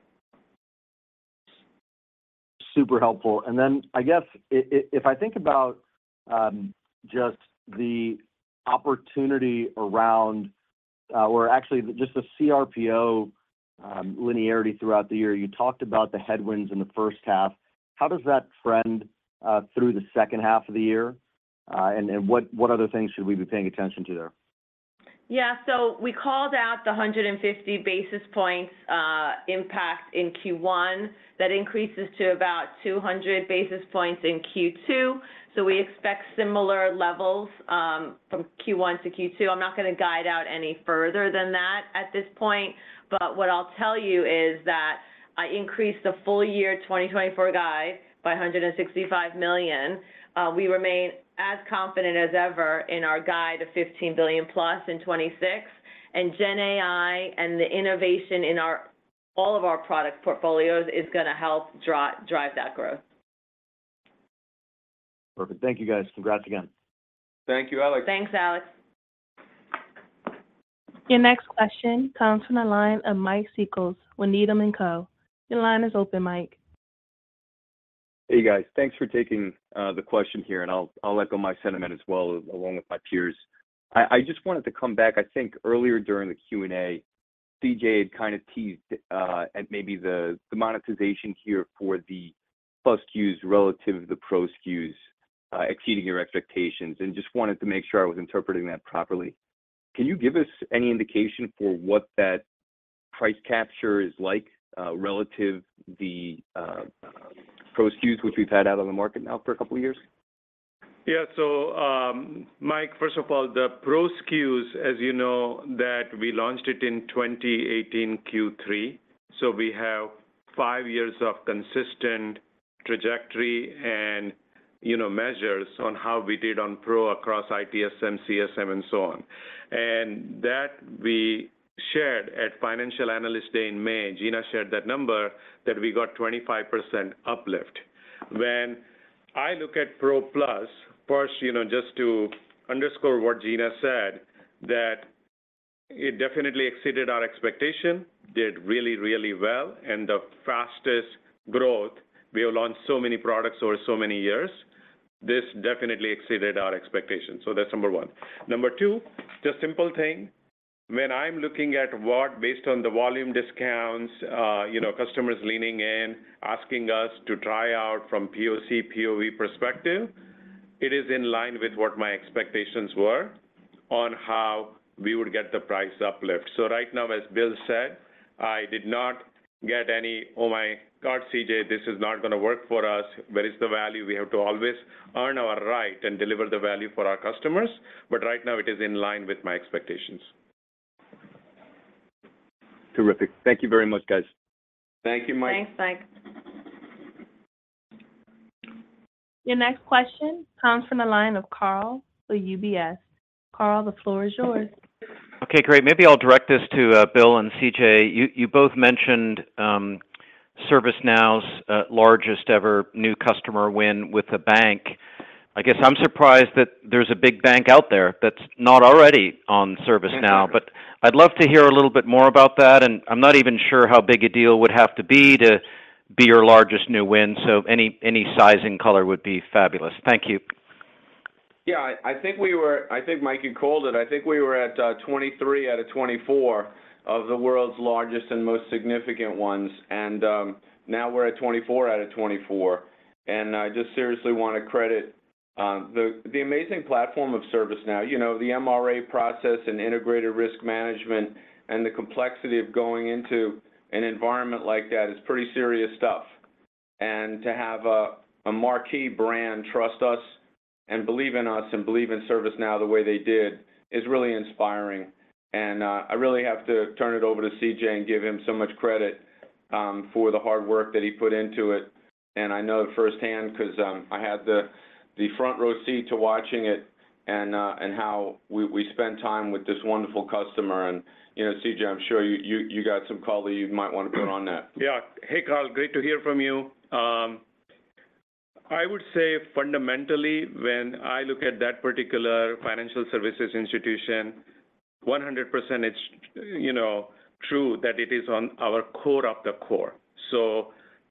Super helpful. And then, I guess, if I think about just the opportunity around, or actually just the cRPO linearity throughout the year, you talked about the headwinds in the first half. How does that trend through the second half of the year? And what other things should we be paying attention to there? Yeah. So we called out the 150 basis points impact in Q1. That increases to about 200 basis points in Q2, so we expect similar levels from Q1 to Q2. I'm not going to guide out any further than that at this point, but what I'll tell you is that I increased the full year 2024 guide by $165 million. We remain as confident as ever in our guide of $15 billion+ in 2026, and GenAI and the innovation in our—all of our product portfolios is going to help drive that growth. Perfect. Thank you, guys. Congrats again. Thank you, Alex. Thanks, Alex. Your next question comes from the line of Mike Cikos with Needham & Co. Your line is open, Mike. Hey, guys. Thanks for taking the question here, and I'll echo my sentiment as well, along with my peers. I just wanted to come back. I think earlier during the Q&A, CJ had kind of teased at maybe the monetization here for the Plus SKUs relative to the Pro SKUs exceeding your expectations, and just wanted to make sure I was interpreting that properly. Can you give us any indication for what that price capture is like relative the Pro SKUs, which we've had out on the market now for a couple of years? Yeah. So, Mike, first of all, the Pro SKUs, as you know, that we launched it in 2018 Q3, so we have 5 years of consistent trajectory and, you know, measures on how we did on Pro across ITSM, CSM, and so on. And that we shared at Financial Analyst Day in May. Gina shared that number, that we got 25% uplift. When I look at Pro Plus, first, you know, just to underscore what Gina said, that it definitely exceeded our expectation, did really, really well, and the fastest growth. We have launched so many products over so many years. This definitely exceeded our expectations. So that's number one. Number two, just simple thing. When I'm looking at what, based on the volume discounts, you know, customers leaning in, asking us to try out from POC, POV perspective- It is in line with what my expectations were on how we would get the price uplift. So right now, as Bill said, I did not get any, "Oh, my God, CJ, this is not gonna work for us." Where is the value? We have to always earn our right and deliver the value for our customers, but right now it is in line with my expectations. Terrific. Thank you very much, guys. Thank you, Mike. Thanks, Mike. Your next question comes from the line of Karl with UBS. Karl, the floor is yours. Okay, great. Maybe I'll direct this to Bill and CJ. You both mentioned ServiceNow's largest-ever new customer win with a bank. I guess I'm surprised that there's a big bank out there that's not already on ServiceNow. Mm-hmm. but I'd love to hear a little bit more about that, and I'm not even sure how big a deal would have to be to be your largest new win. So any, any sizing color would be fabulous. Thank you. Yeah, I think, Mike, you called it. I think we were at 23 out of 24 of the world's largest and most significant ones, and now we're at 24 out of 24. And I just seriously wanna credit the amazing platform of ServiceNow. You know, the MRA process and Integrated Risk Management and the complexity of going into an environment like that is pretty serious stuff. And to have a marquee brand trust us and believe in us and believe in ServiceNow the way they did is really inspiring. And I really have to turn it over to CJ and give him so much credit for the hard work that he put into it. I know firsthand 'cause I had the front row seat to watching it and how we spent time with this wonderful customer. You know, CJ, I'm sure you got some color you might wanna put on that. Yeah. Hey, Karl, great to hear from you. I would say fundamentally, when I look at that particular financial services institution, 100%, it's, you know, true that it is on our core of the core. So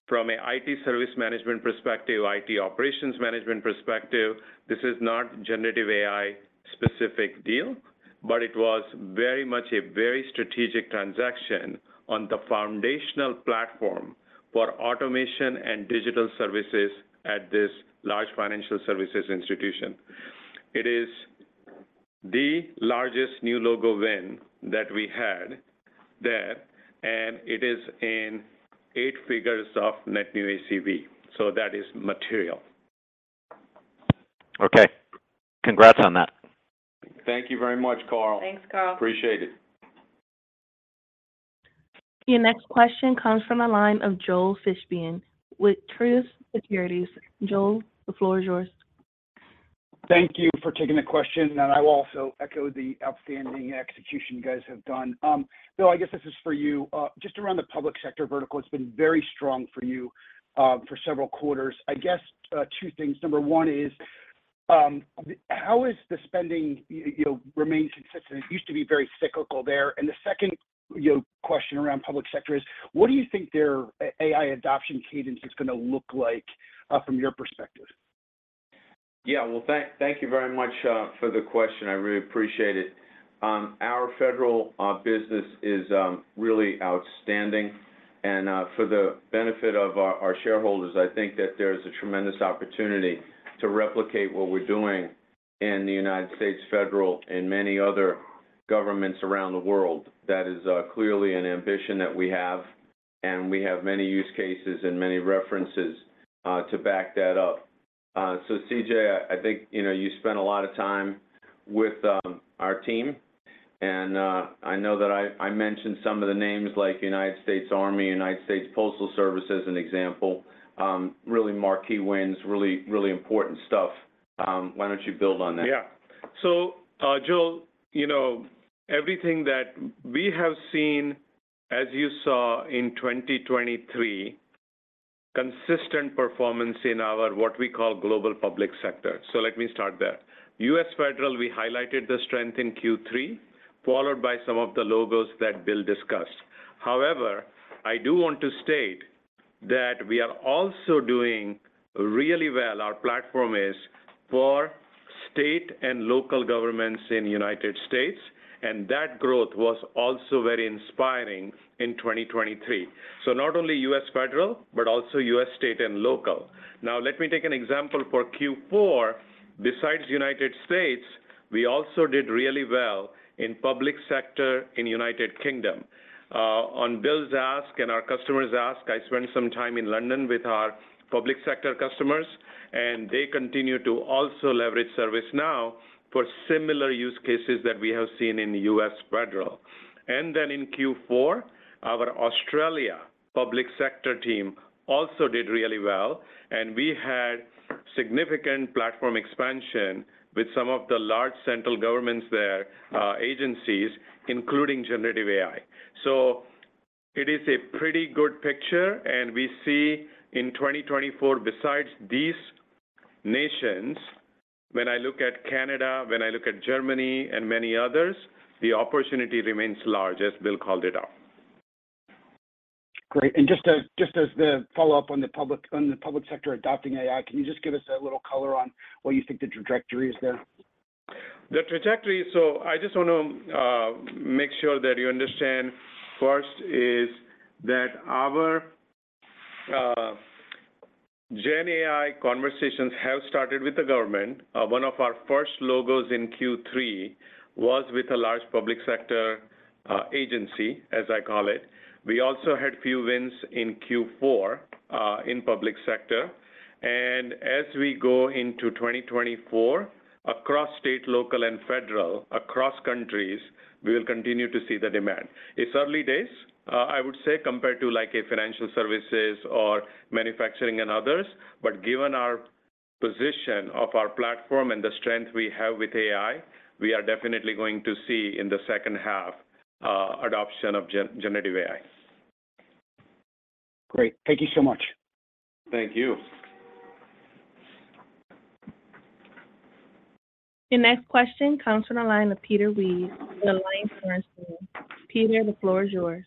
from an IT Service Management perspective, IT Operations Management perspective, this is not generative AI specific deal, but it was very much a very strategic transaction on the foundational platform for automation and digital services at this large financial services institution. It is the largest new logo win that we had there, and it is in 8 figures of net new ACV. So that is material. Okay. Congrats on that. Thank you very much, Cheryl. Thanks, Karl. Appreciate it. Your next question comes from the line of Joel Fishbein with Truist Securities. Joel, the floor is yours. Thank you for taking the question, and I will also echo the outstanding execution you guys have done. Bill, I guess this is for you. Just around the public sector vertical, it's been very strong for you, for several quarters. I guess, two things. Number one is, how is the spending, you know, remain consistent? It used to be very cyclical there. And the second, you know, question around public sector is, what do you think their AI adoption cadence is gonna look like, from your perspective? Yeah. Well, thank, thank you very much for the question. I really appreciate it. Our federal business is really outstanding, and for the benefit of our shareholders, I think that there's a tremendous opportunity to replicate what we're doing in the United States federal and many other governments around the world. That is clearly an ambition that we have, and we have many use cases and many references to back that up. So CJ, I think, you know, you spent a lot of time with our team, and I know that I mentioned some of the names like United States Army, United States Postal Service, as an example. Really marquee wins, really, really important stuff. Why don't you build on that? Yeah. So, Joel, you know, everything that we have seen, as you saw in 2023, consistent performance in our, what we call, global public sector. So let me start there. U.S. federal, we highlighted the strength in Q3, followed by some of the logos that Bill discussed. However, I do want to state that we are also doing really well, our platform is, for state and local governments in the United States, and that growth was also very inspiring in 2023. So not only U.S. federal, but also U.S. state and local. Now, let me take an example for Q4. Besides United States, we also did really well in public sector in United Kingdom. On Bill's ask and our customers' ask, I spent some time in London with our public sector customers, and they continue to also leverage ServiceNow for similar use cases that we have seen in the U.S. federal. And then in Q4, our Australia public sector team also did really well, and we had significant platform expansion with some of the large central governments there, agencies, including generative AI. So it is a pretty good picture, and we see in 2024, besides these nations, when I look at Canada, when I look at Germany and many others, the opportunity remains large, as Bill called it out. Great. And just as the follow-up on the public sector adopting AI, can you just give us a little color on what you think the trajectory is there? The trajectory, so I just want to make sure that you understand first is that our GenAI conversations have started with the government. One of our first logos in Q3 was with a large public sector agency, as I call it. We also had a few wins in Q4 in public sector. And as we go into 2024, across state, local, and federal, across countries, we will continue to see the demand. It's early days, I would say, compared to, like, a financial services or manufacturing and others, but given our position of our platform and the strength we have with AI, we are definitely going to see in the second half adoption of Gen- Generative AI. Great. Thank you so much. Thank you. Your next question comes from the line of Peter Weed with AllianceBernstein. Peter, the floor is yours.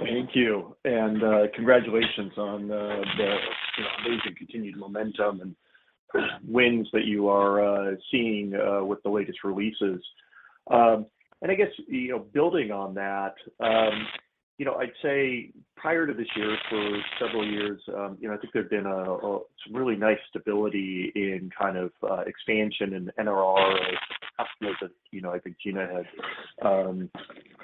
Thank you. And congratulations on the you know, amazing continued momentum and wins that you are seeing with the latest releases. And I guess, you know, building on that, you know, I'd say prior to this year, for several years, you know, I think there'd been some really nice stability in kind of expansion in NRR customers that, you know, I think Gina has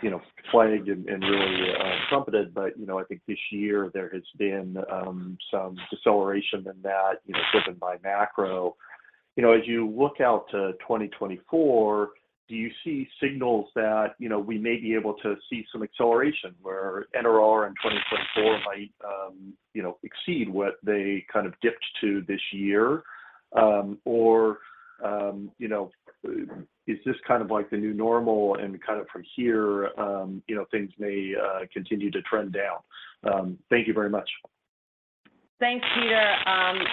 you know, flagged and really trumpeted. But, you know, I think this year there has been some deceleration in that, you know, driven by macro. You know, as you look out to 2024, do you see signals that, you know, we may be able to see some acceleration where NRR in 2024 might, you know, exceed what they kind of dipped to this year? Or, you know, is this kind of like the new normal and kind of from here, you know, things may continue to trend down? Thank you very much. Thanks, Peter,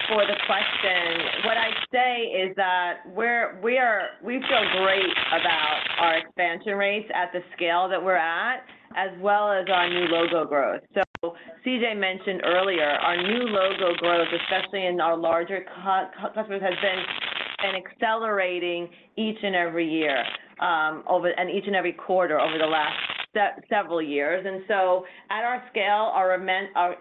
for the question. What I'd say is that we feel great about our expansion rates at the scale that we're at, as well as our new logo growth. So CJ mentioned earlier, our new logo growth, especially in our larger customers, has been an accelerating each and every year, over and each and every quarter over the last several years. And so at our scale, our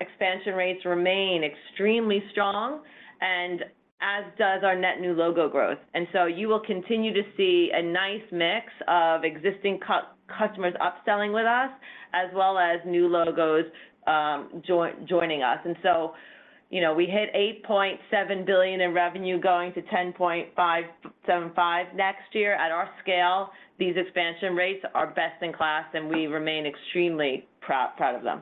expansion rates remain extremely strong and as does our net new logo growth. And so you will continue to see a nice mix of existing customers upselling with us, as well as new logos, joining us. And so, you know, we hit $8.7 billion in revenue, going to $10.575 billion next year. At our scale, these expansion rates are best in class, and we remain extremely proud, proud of them.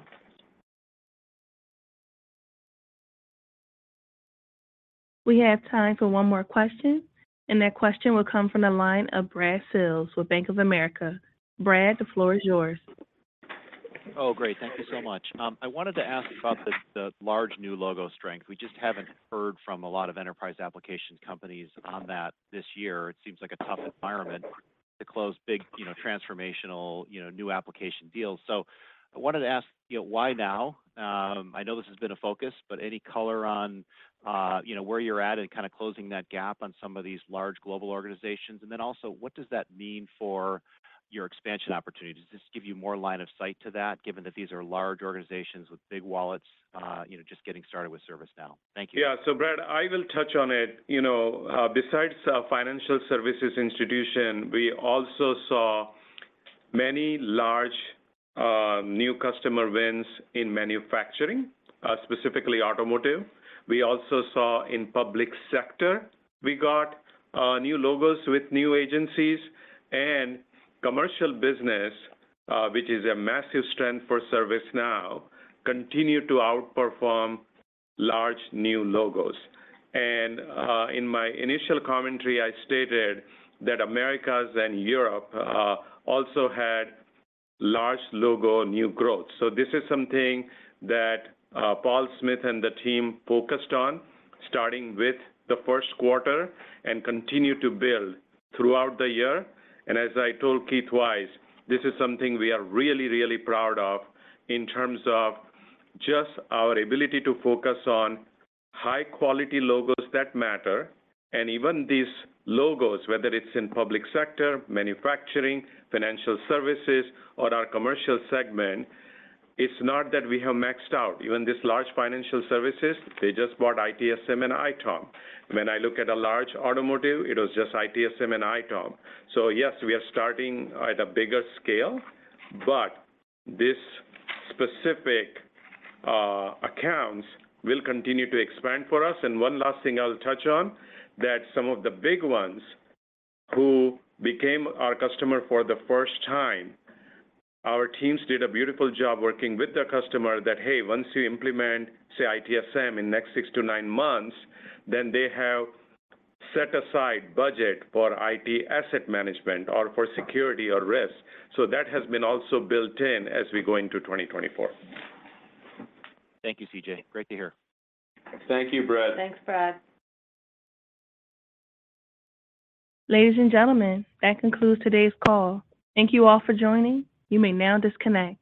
We have time for one more question, and that question will come from the line of Brad Sills with Bank of America. Brad, the floor is yours. Oh, great. Thank you so much. I wanted to ask about the, the large new logo strength. We just haven't heard from a lot of enterprise application companies on that this year. It seems like a tough environment to close big, you know, transformational, you know, new application deals. So I wanted to ask, you know, why now? I know this has been a focus, but any color on, you know, where you're at in closing that gap on some of these large global organizations? And then also, what does that mean for your expansion opportunity? Does this give you more line of sight to that, given that these are large organizations with big wallets, you know, just getting started with ServiceNow? Thank you. Yeah. So Brad, I will touch on it. You know, besides our financial services institution, we also saw many large, new customer wins in manufacturing, specifically automotive. We also saw in public sector, we got, new logos with new agencies. And commercial business, which is a massive strength for ServiceNow, continued to outperform large new logos. And, in my initial commentary, I stated that Americas and Europe, also had large logo new growth. So this is something that, Paul Smith and the team focused on, starting with the first quarter and continued to build throughout the year. And as I told Keith Weiss, this is something we are really, really proud of in terms of just our ability to focus on high-quality logos that matter. Even these logos, whether it's in public sector, manufacturing, financial services, or our commercial segment, it's not that we have maxed out. Even this large financial services, they just bought ITSM and ITOM. When I look at a large automotive, it was just ITSM and ITOM. So yes, we are starting at a bigger scale, but these specific accounts will continue to expand for us. And one last thing I'll touch on, that some of the big ones who became our customer for the first time, our teams did a beautiful job working with the customer that, hey, once you implement, say, ITSM in next 6-9 months, then they have set aside budget for IT Asset Management or for security or risk. So that has been also built in as we go into 2024. Thank you, CJ. Great to hear. Thank you, Brad. Thanks, Brad. Ladies and gentlemen, that concludes today's call. Thank you all for joining. You may now disconnect.